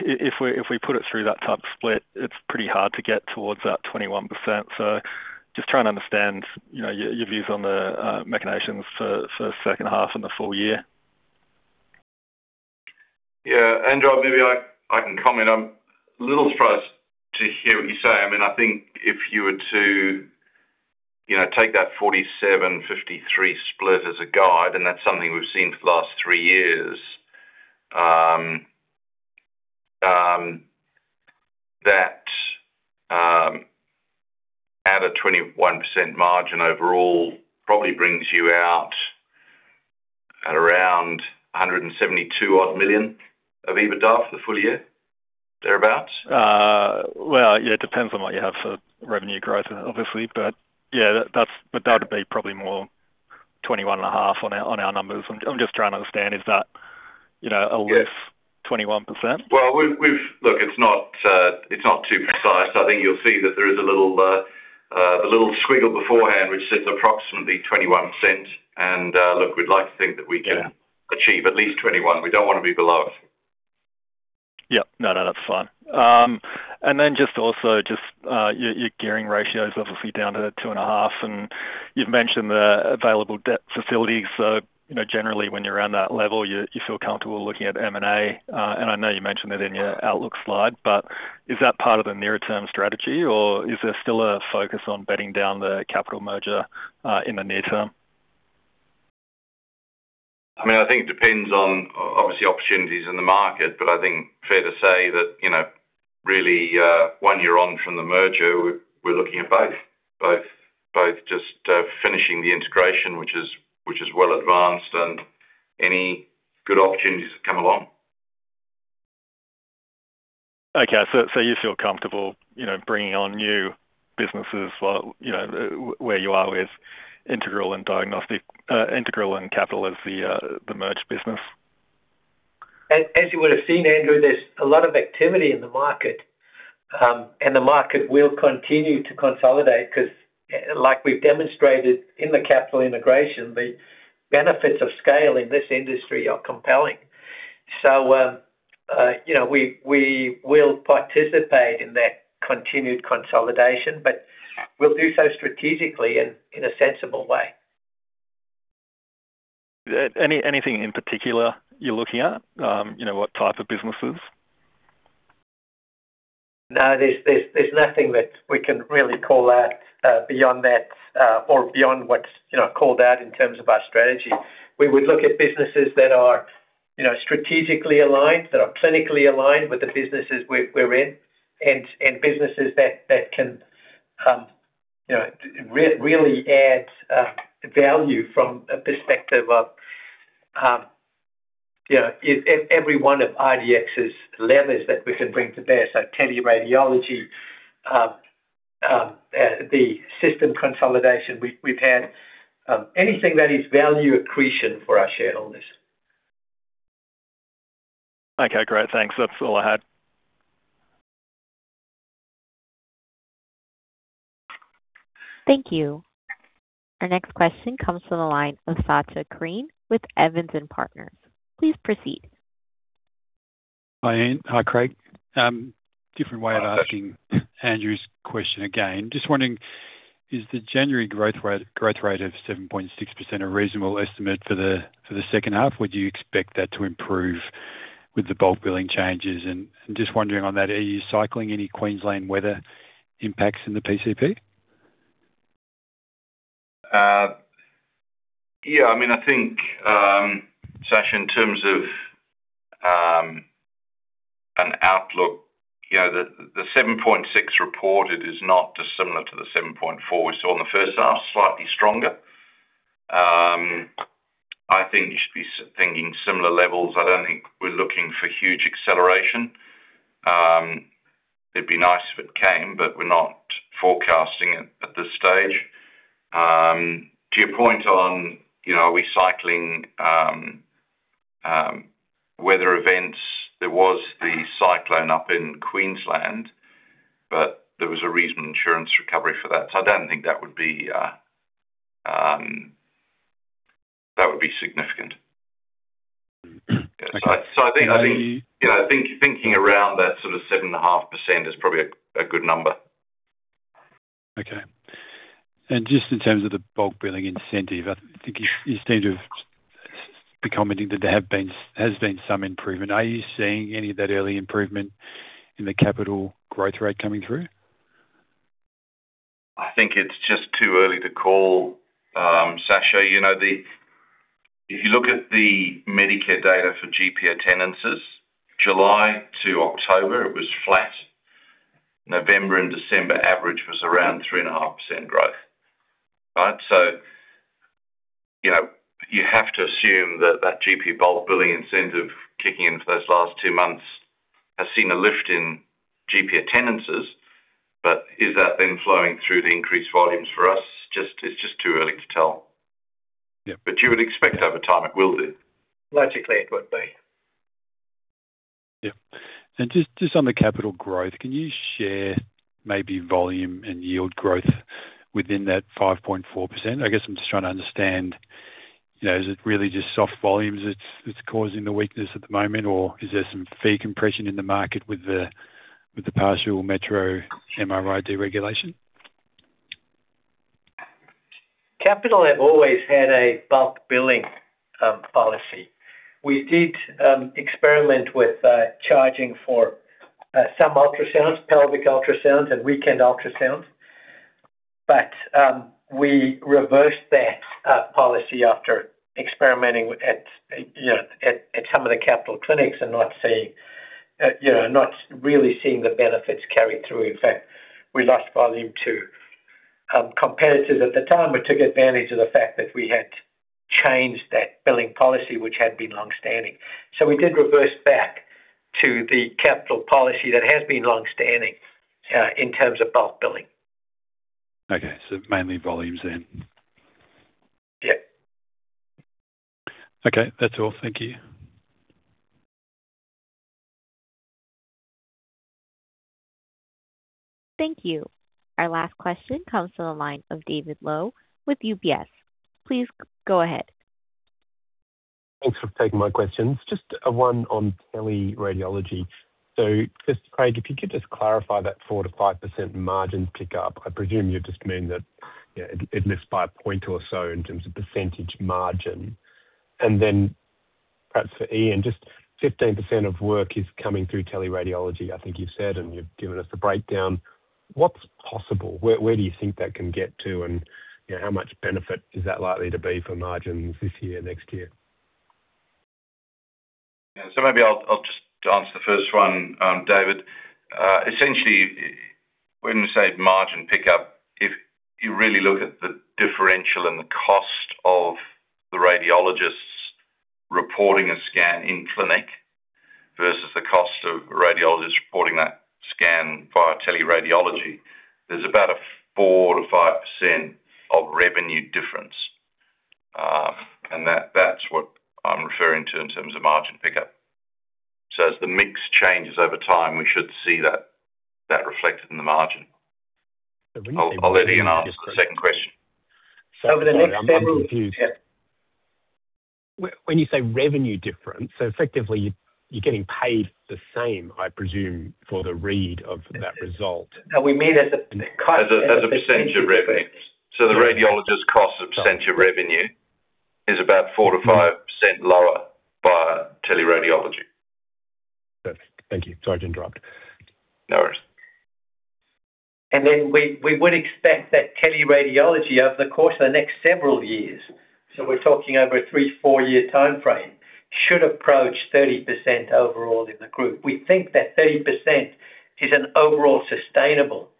If we put it through that type of split, it's pretty hard to get towards that 21%. Just trying to understand, you know, your views on the mechanisms for the second half and the full year. Yeah, Andrew, maybe I can comment. I'm a little surprised to hear what you say. I mean, I think if you were to, you know, take that 47%, 53% split as a guide, and that's something we've seen for the last three years, that at a 21% margin overall, probably brings you out at around 172 odd million of EBITDA for the full year, thereabout. Well, yeah, it depends on what you have for revenue growth, obviously. Yeah, that would be probably more 21.5% on our numbers. I'm just trying to understand, is that, you know, a loose 21%? Well, we've. Look, it's not too precise. I think you'll see that there is a little squiggle beforehand, which sits approximately 21%. Look, we'd like to think that we can achieve at least 21%. We don't want to be below it. Yep. No, no, that's fine. Then just also just, your, your gearing ratio is obviously down to 2.5x, and you've mentioned the available debt facilities. You know, generally, when you're around that level, you feel comfortable looking at M&A. I know you mentioned it in your outlook slide, but is that part of the near-term strategy, or is there still a focus on bedding down the Capitol merger, in the near term? I mean, I think it depends on obviously opportunities in the market, but I think fair to say that, you know, really, one year on from the merger, we're looking at both. Both just finishing the integration, which is well advanced and any good opportunities that come along. Okay. So you feel comfortable, you know, bringing on new businesses while, you know, where you are with Integral Diagnostics and Capitol as the merged business? As, as you would have seen, Andrew, there's a lot of activity in the market, and the market will continue to consolidate 'cause like we've demonstrated in the Capitol integration, the benefits of scale in this industry are compelling. You know, we will participate in that continued consolidation, but we'll do so strategically and in a sensible way. Anything in particular you're looking at? You know, what type of businesses? No, there's nothing that we can really call out beyond that or beyond what's, you know, called out in terms of our strategy. We would look at businesses that are, you know, strategically aligned, that are clinically aligned with the businesses we're in, and, and businesses that can, you know, really add value from a perspective of, you know, if every one of IDX's levers that we can bring to bear, so teleradiology, the system consolidation we've had, anything that is value accretion for our shareholders. Okay, great. Thanks. That's all I had. Thank you. Our next question comes from the line of Sacha Krien with Evans and Partners. Please proceed. Hi, Ian. Hi, Craig. Different way of asking Andrew's question again. Just wondering, is the January growth rate of 7.6% a reasonable estimate for the, for the second half? Would you expect that to improve with the bulk billing changes? Just wondering on that, are you cycling any Queensland weather impacts in the PCP? Yeah, I mean, I think, Sacha, in terms of an outlook, you know, the 7.6% reported is not dissimilar to the 7.4% we saw in the first half, slightly stronger. I think you should be thinking similar levels. I don't think we're looking for huge acceleration. It'd be nice if it came, but we're not forecasting it at this stage. To your point on, you know, are we cycling weather events, there was the cyclone up in Queensland, but there was a reasonable insurance recovery for that. I don't think that would be, that would be significant. Mm-hmm. I think. Are you- You know, I think thinking around that sort of 7.5% is probably a, a good number. Okay. Just in terms of the Bulk Billing Incentive, I think you, you seem to have been commenting that there have been—has been some improvement. Are you seeing any of that early improvement in the Capitol growth rate coming through? I think it's just too early to call, Sacha. You know, if you look at the Medicare data for GP attendances, July to October, it was flat. November and December average was around 3.5% growth. Right? You know, you have to assume that that GP Bulk Billing Incentive kicking in for those last two months has seen a lift in GP attendances. Is that then flowing through the increased volumes for us? It's just too early to tell. Yeah. You would expect over time, it will do. Logically, it would be. Yep. Just, just on the Capitol growth, can you share maybe volume and yield growth within that 5.4%? I guess I'm just trying to understand, you know, is it really just soft volumes that's causing the weakness at the moment, or is there some fee compression in the market with the partial metro MRI deregulation? Capitol have always had a bulk billing policy. We did experiment with charging for some ultrasounds, pelvic ultrasounds and weekend ultrasounds, but we reversed that policy after experimenting with, you know, at some of the Capitol clinics and not seeing, you know, not really seeing the benefits carry through. In fact, we lost volume to competitors at the time, who took advantage of the fact that we had changed that billing policy, which had been long-standing. We did reverse back to the Capitol policy that has been long-standing in terms of bulk billing. Okay, mainly volumes then? Yeah. Okay, that's all. Thank you. Thank you. Our last question comes to the line of David Low with UBS. Please go ahead. Thanks for taking my questions. Just one on teleradiology. Just, Craig, if you could just clarify that 4%-5% margin pick up. I presume you just mean that, yeah, it lifts by a point or so in terms of percentage margin. Then perhaps for Ian, just 15% of work is coming through teleradiology, I think you've said, and you've given us a breakdown. What's possible? Where do you think that can get to? You know, how much benefit is that likely to be for margins this year, next year? Yeah. Maybe I'll just answer the first one, David. Essentially, when you say margin pickup, if you really look at the differential and the cost of the radiologists reporting a scan in clinic versus the cost of radiologists reporting that scan via teleradiology, there's about a 4%-5% of revenue difference. That’s what I'm referring to in terms of margin pickup. As the mix changes over time, we should see that reflected in the margin. I'll let Ian answer the second question. Over the next several. I'm confused. When you say revenue difference, effectively, you're getting paid the same, I presume, for the read of that result? Now, we made it a cost. As a percentage of revenue. The radiologist's cost of percentage of revenue is about 4%-5% lower via teleradiology. Thank you. Sorry, I didn't drop. No worries. We would expect that teleradiology, over the course of the next several years, so we're talking over a three, four-year time frame, should approach 30% overall in the group. We think that 30% is an overall sustainable,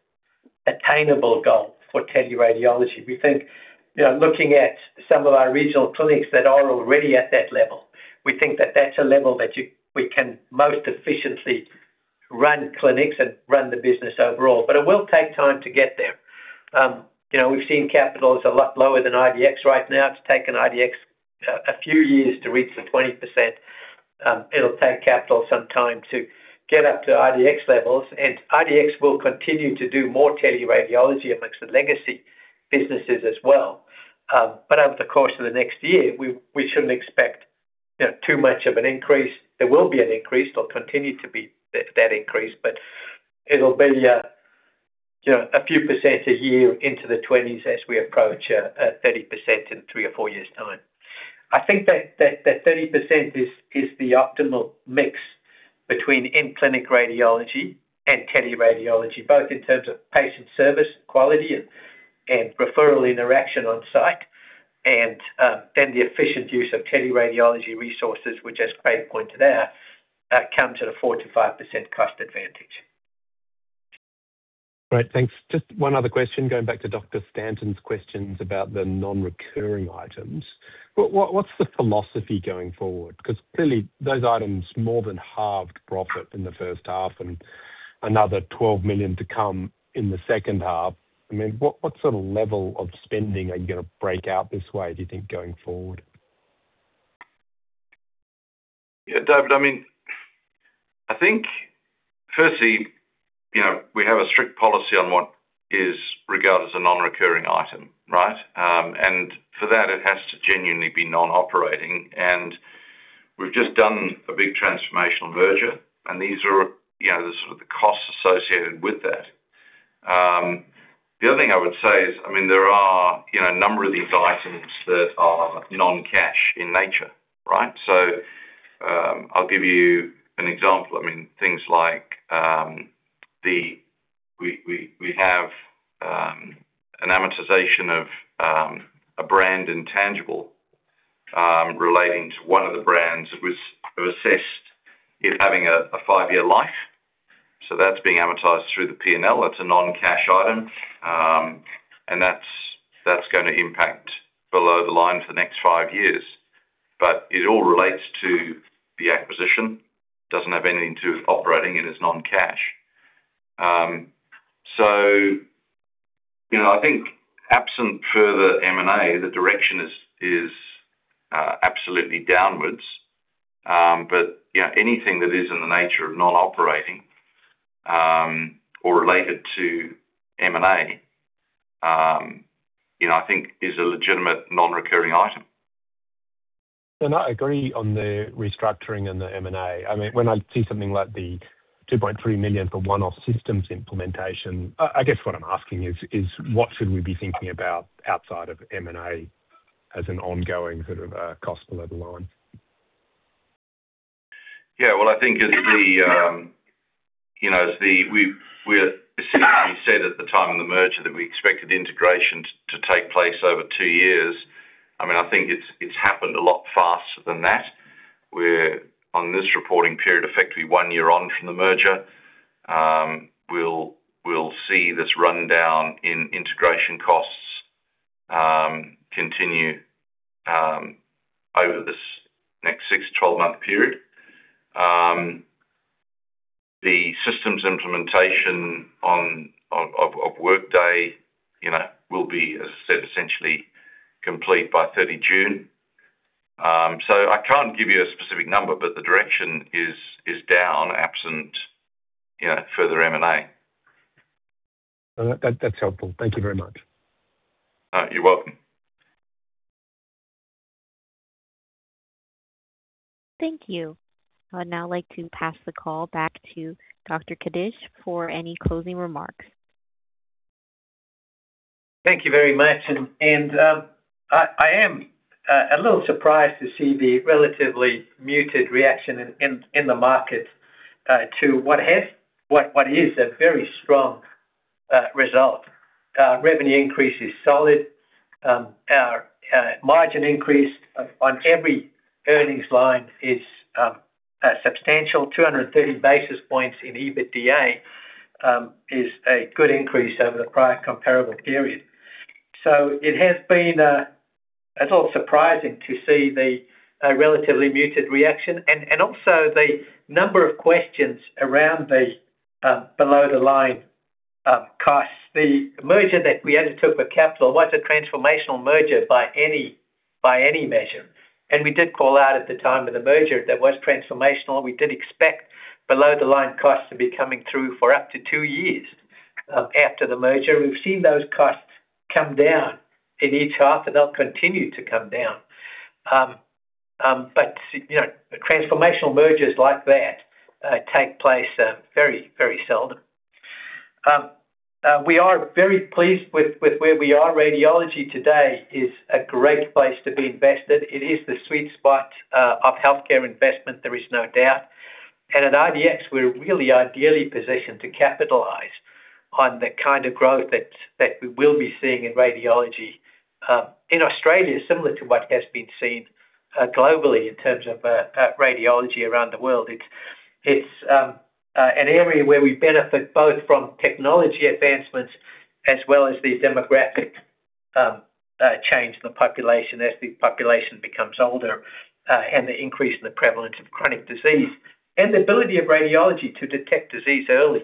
attainable goal for teleradiology. We think, you know, looking at some of our regional clinics that are already at that level, we think that that's a level that we can most efficiently run clinics and run the business overall. It will take time to get there. You know, we've seen Capitol a lot lower than IDX right now. It's taken IDX a, a few years to reach the 20%. It'll take Capitol some time to get up to IDX levels, and IDX will continue to do more teleradiology amongst the legacy businesses as well. Over the course of the next year, we shouldn't expect, you know, too much of an increase. There will be an increase, or continue to be that increase, but it'll be a, you know, a few percent a year into the 20s as we approach, a 30% in three or four years time. I think that 30% is the optimal mix between in-clinic radiology and teleradiology, both in terms of patient service, quality, and referral interaction on site, and then the efficient use of teleradiology resources, which as Craig pointed out, come to the 4%-5% cost advantage. Great, thanks. Just one other question, going back to Dr. Stanton's questions about the non-recurring items. What's the philosophy going forward? Clearly, those items more than halved profit in the first half and another 12 million to come in the second half. I mean, what sort of level of spending are you gonna break out this way, do you think, going forward? Yeah, David, I mean, I think firstly, you know, we have a strict policy on what is regarded as a non-recurring item, right? For that, it has to genuinely be non-operating, and we've just done a big transformational merger, and these are, you know, the sort of the costs associated with that. The other thing I would say is, I mean, there are, you know, a number of these items that are non-cash in nature, right? I'll give you an example. I mean, things like we have an amortization of a brand intangible, relating to one of the brands which was assessed in having a five-year life. That's being amortized through the P&L. It's a non-cash item. That's gonna impact below the line for the next five years. It all relates to the acquisition. Doesn't have anything to operating, and it's non-cash. You know, I think absent further M&A, the direction is, absolutely downwards. You know, anything that is in the nature of non-operating, or related to M&A, you know, I think is a legitimate non-recurring item. I agree on the restructuring and the M&A. I mean, when I see something like the 2.3 million for one-off systems implementation—I guess what I'm asking is what should we be thinking about outside of M&A as an ongoing sort of cost below the line? Yeah. Well, I think as the, you know, as we said at the time of the merger, that we expected integration to take place over two years. I mean, I think it's happened a lot faster than that, where on this reporting period, effectively one year on from the merger, we'll see this run down in integration costs continue over this next six to 12 month period. The systems implementation of Workday, you know, will be complete by 30 June. So I can't give you a specific number, but the direction is down, absent, you know, further M&A. Well, that, that's helpful. Thank you very much. You're welcome. Thank you. I would now like to pass the call back to Dr. Kadish for any closing remarks. Thank you very much. I am a little surprised to see the relatively muted reaction in the market to what is a very strong result. Revenue increase is solid. Our margin increase on every earnings line is a substantial 230 basis points in EBITDA is a good increase over the prior comparable period. It has been at all surprising to see the relatively muted reaction and also the number of questions around the below the line costs. The merger that we undertook with Capitol was a transformational merger by any measure, and we did call out at the time of the merger that was transformational. We did expect below-the-line costs to be coming through for up to two years after the merger. We've seen those costs come down in each half, and they'll continue to come down. You know, transformational mergers like that take place very, very seldom. We are very pleased with where we are. Radiology today is a great place to be invested. It is the sweet spot of healthcare investment, there is no doubt. At IDX, we're really ideally positioned to capitalize on the kind of growth that we will be seeing in radiology in Australia, similar to what has been seen globally in terms of radiology around the world. It's an area where we benefit both from technology advancements as well as the demographic change in the population as the population becomes older, and the increase in the prevalence of chronic disease, and the ability of radiology to detect disease early.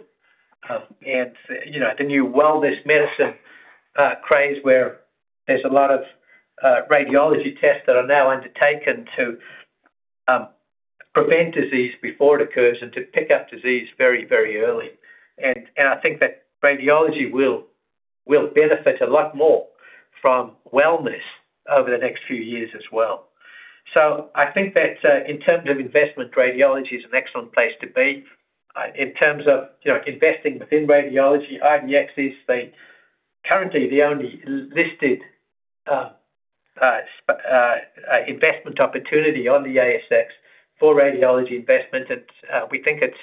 And, you know, the new wellness medicine craze, where there's a lot of radiology tests that are now undertaken to prevent disease before it occurs and to pick up disease very, very early. And I think that radiology will benefit a lot more from wellness over the next few years as well. So I think that in terms of investment, radiology is an excellent place to be. In terms of, you know, investing within radiology, IDX is the currently the only listed investment opportunity on the ASX for radiology investment. It's, we think it's,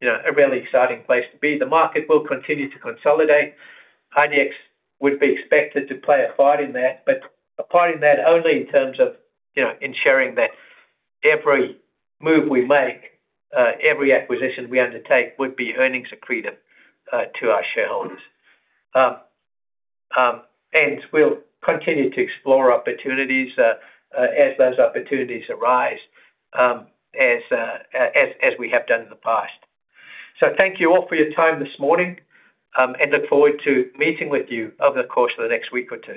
you know, a really exciting place to be. The market will continue to consolidate. IDX would be expected to play a part in that, but a part in that only in terms of, you know, ensuring that every move we make, every acquisition we undertake would be earnings accretive to our shareholders. We'll continue to explore opportunities as those opportunities arise as, as we have done in the past. Thank you all for your time this morning, and look forward to meeting with you over the course of the next week or two.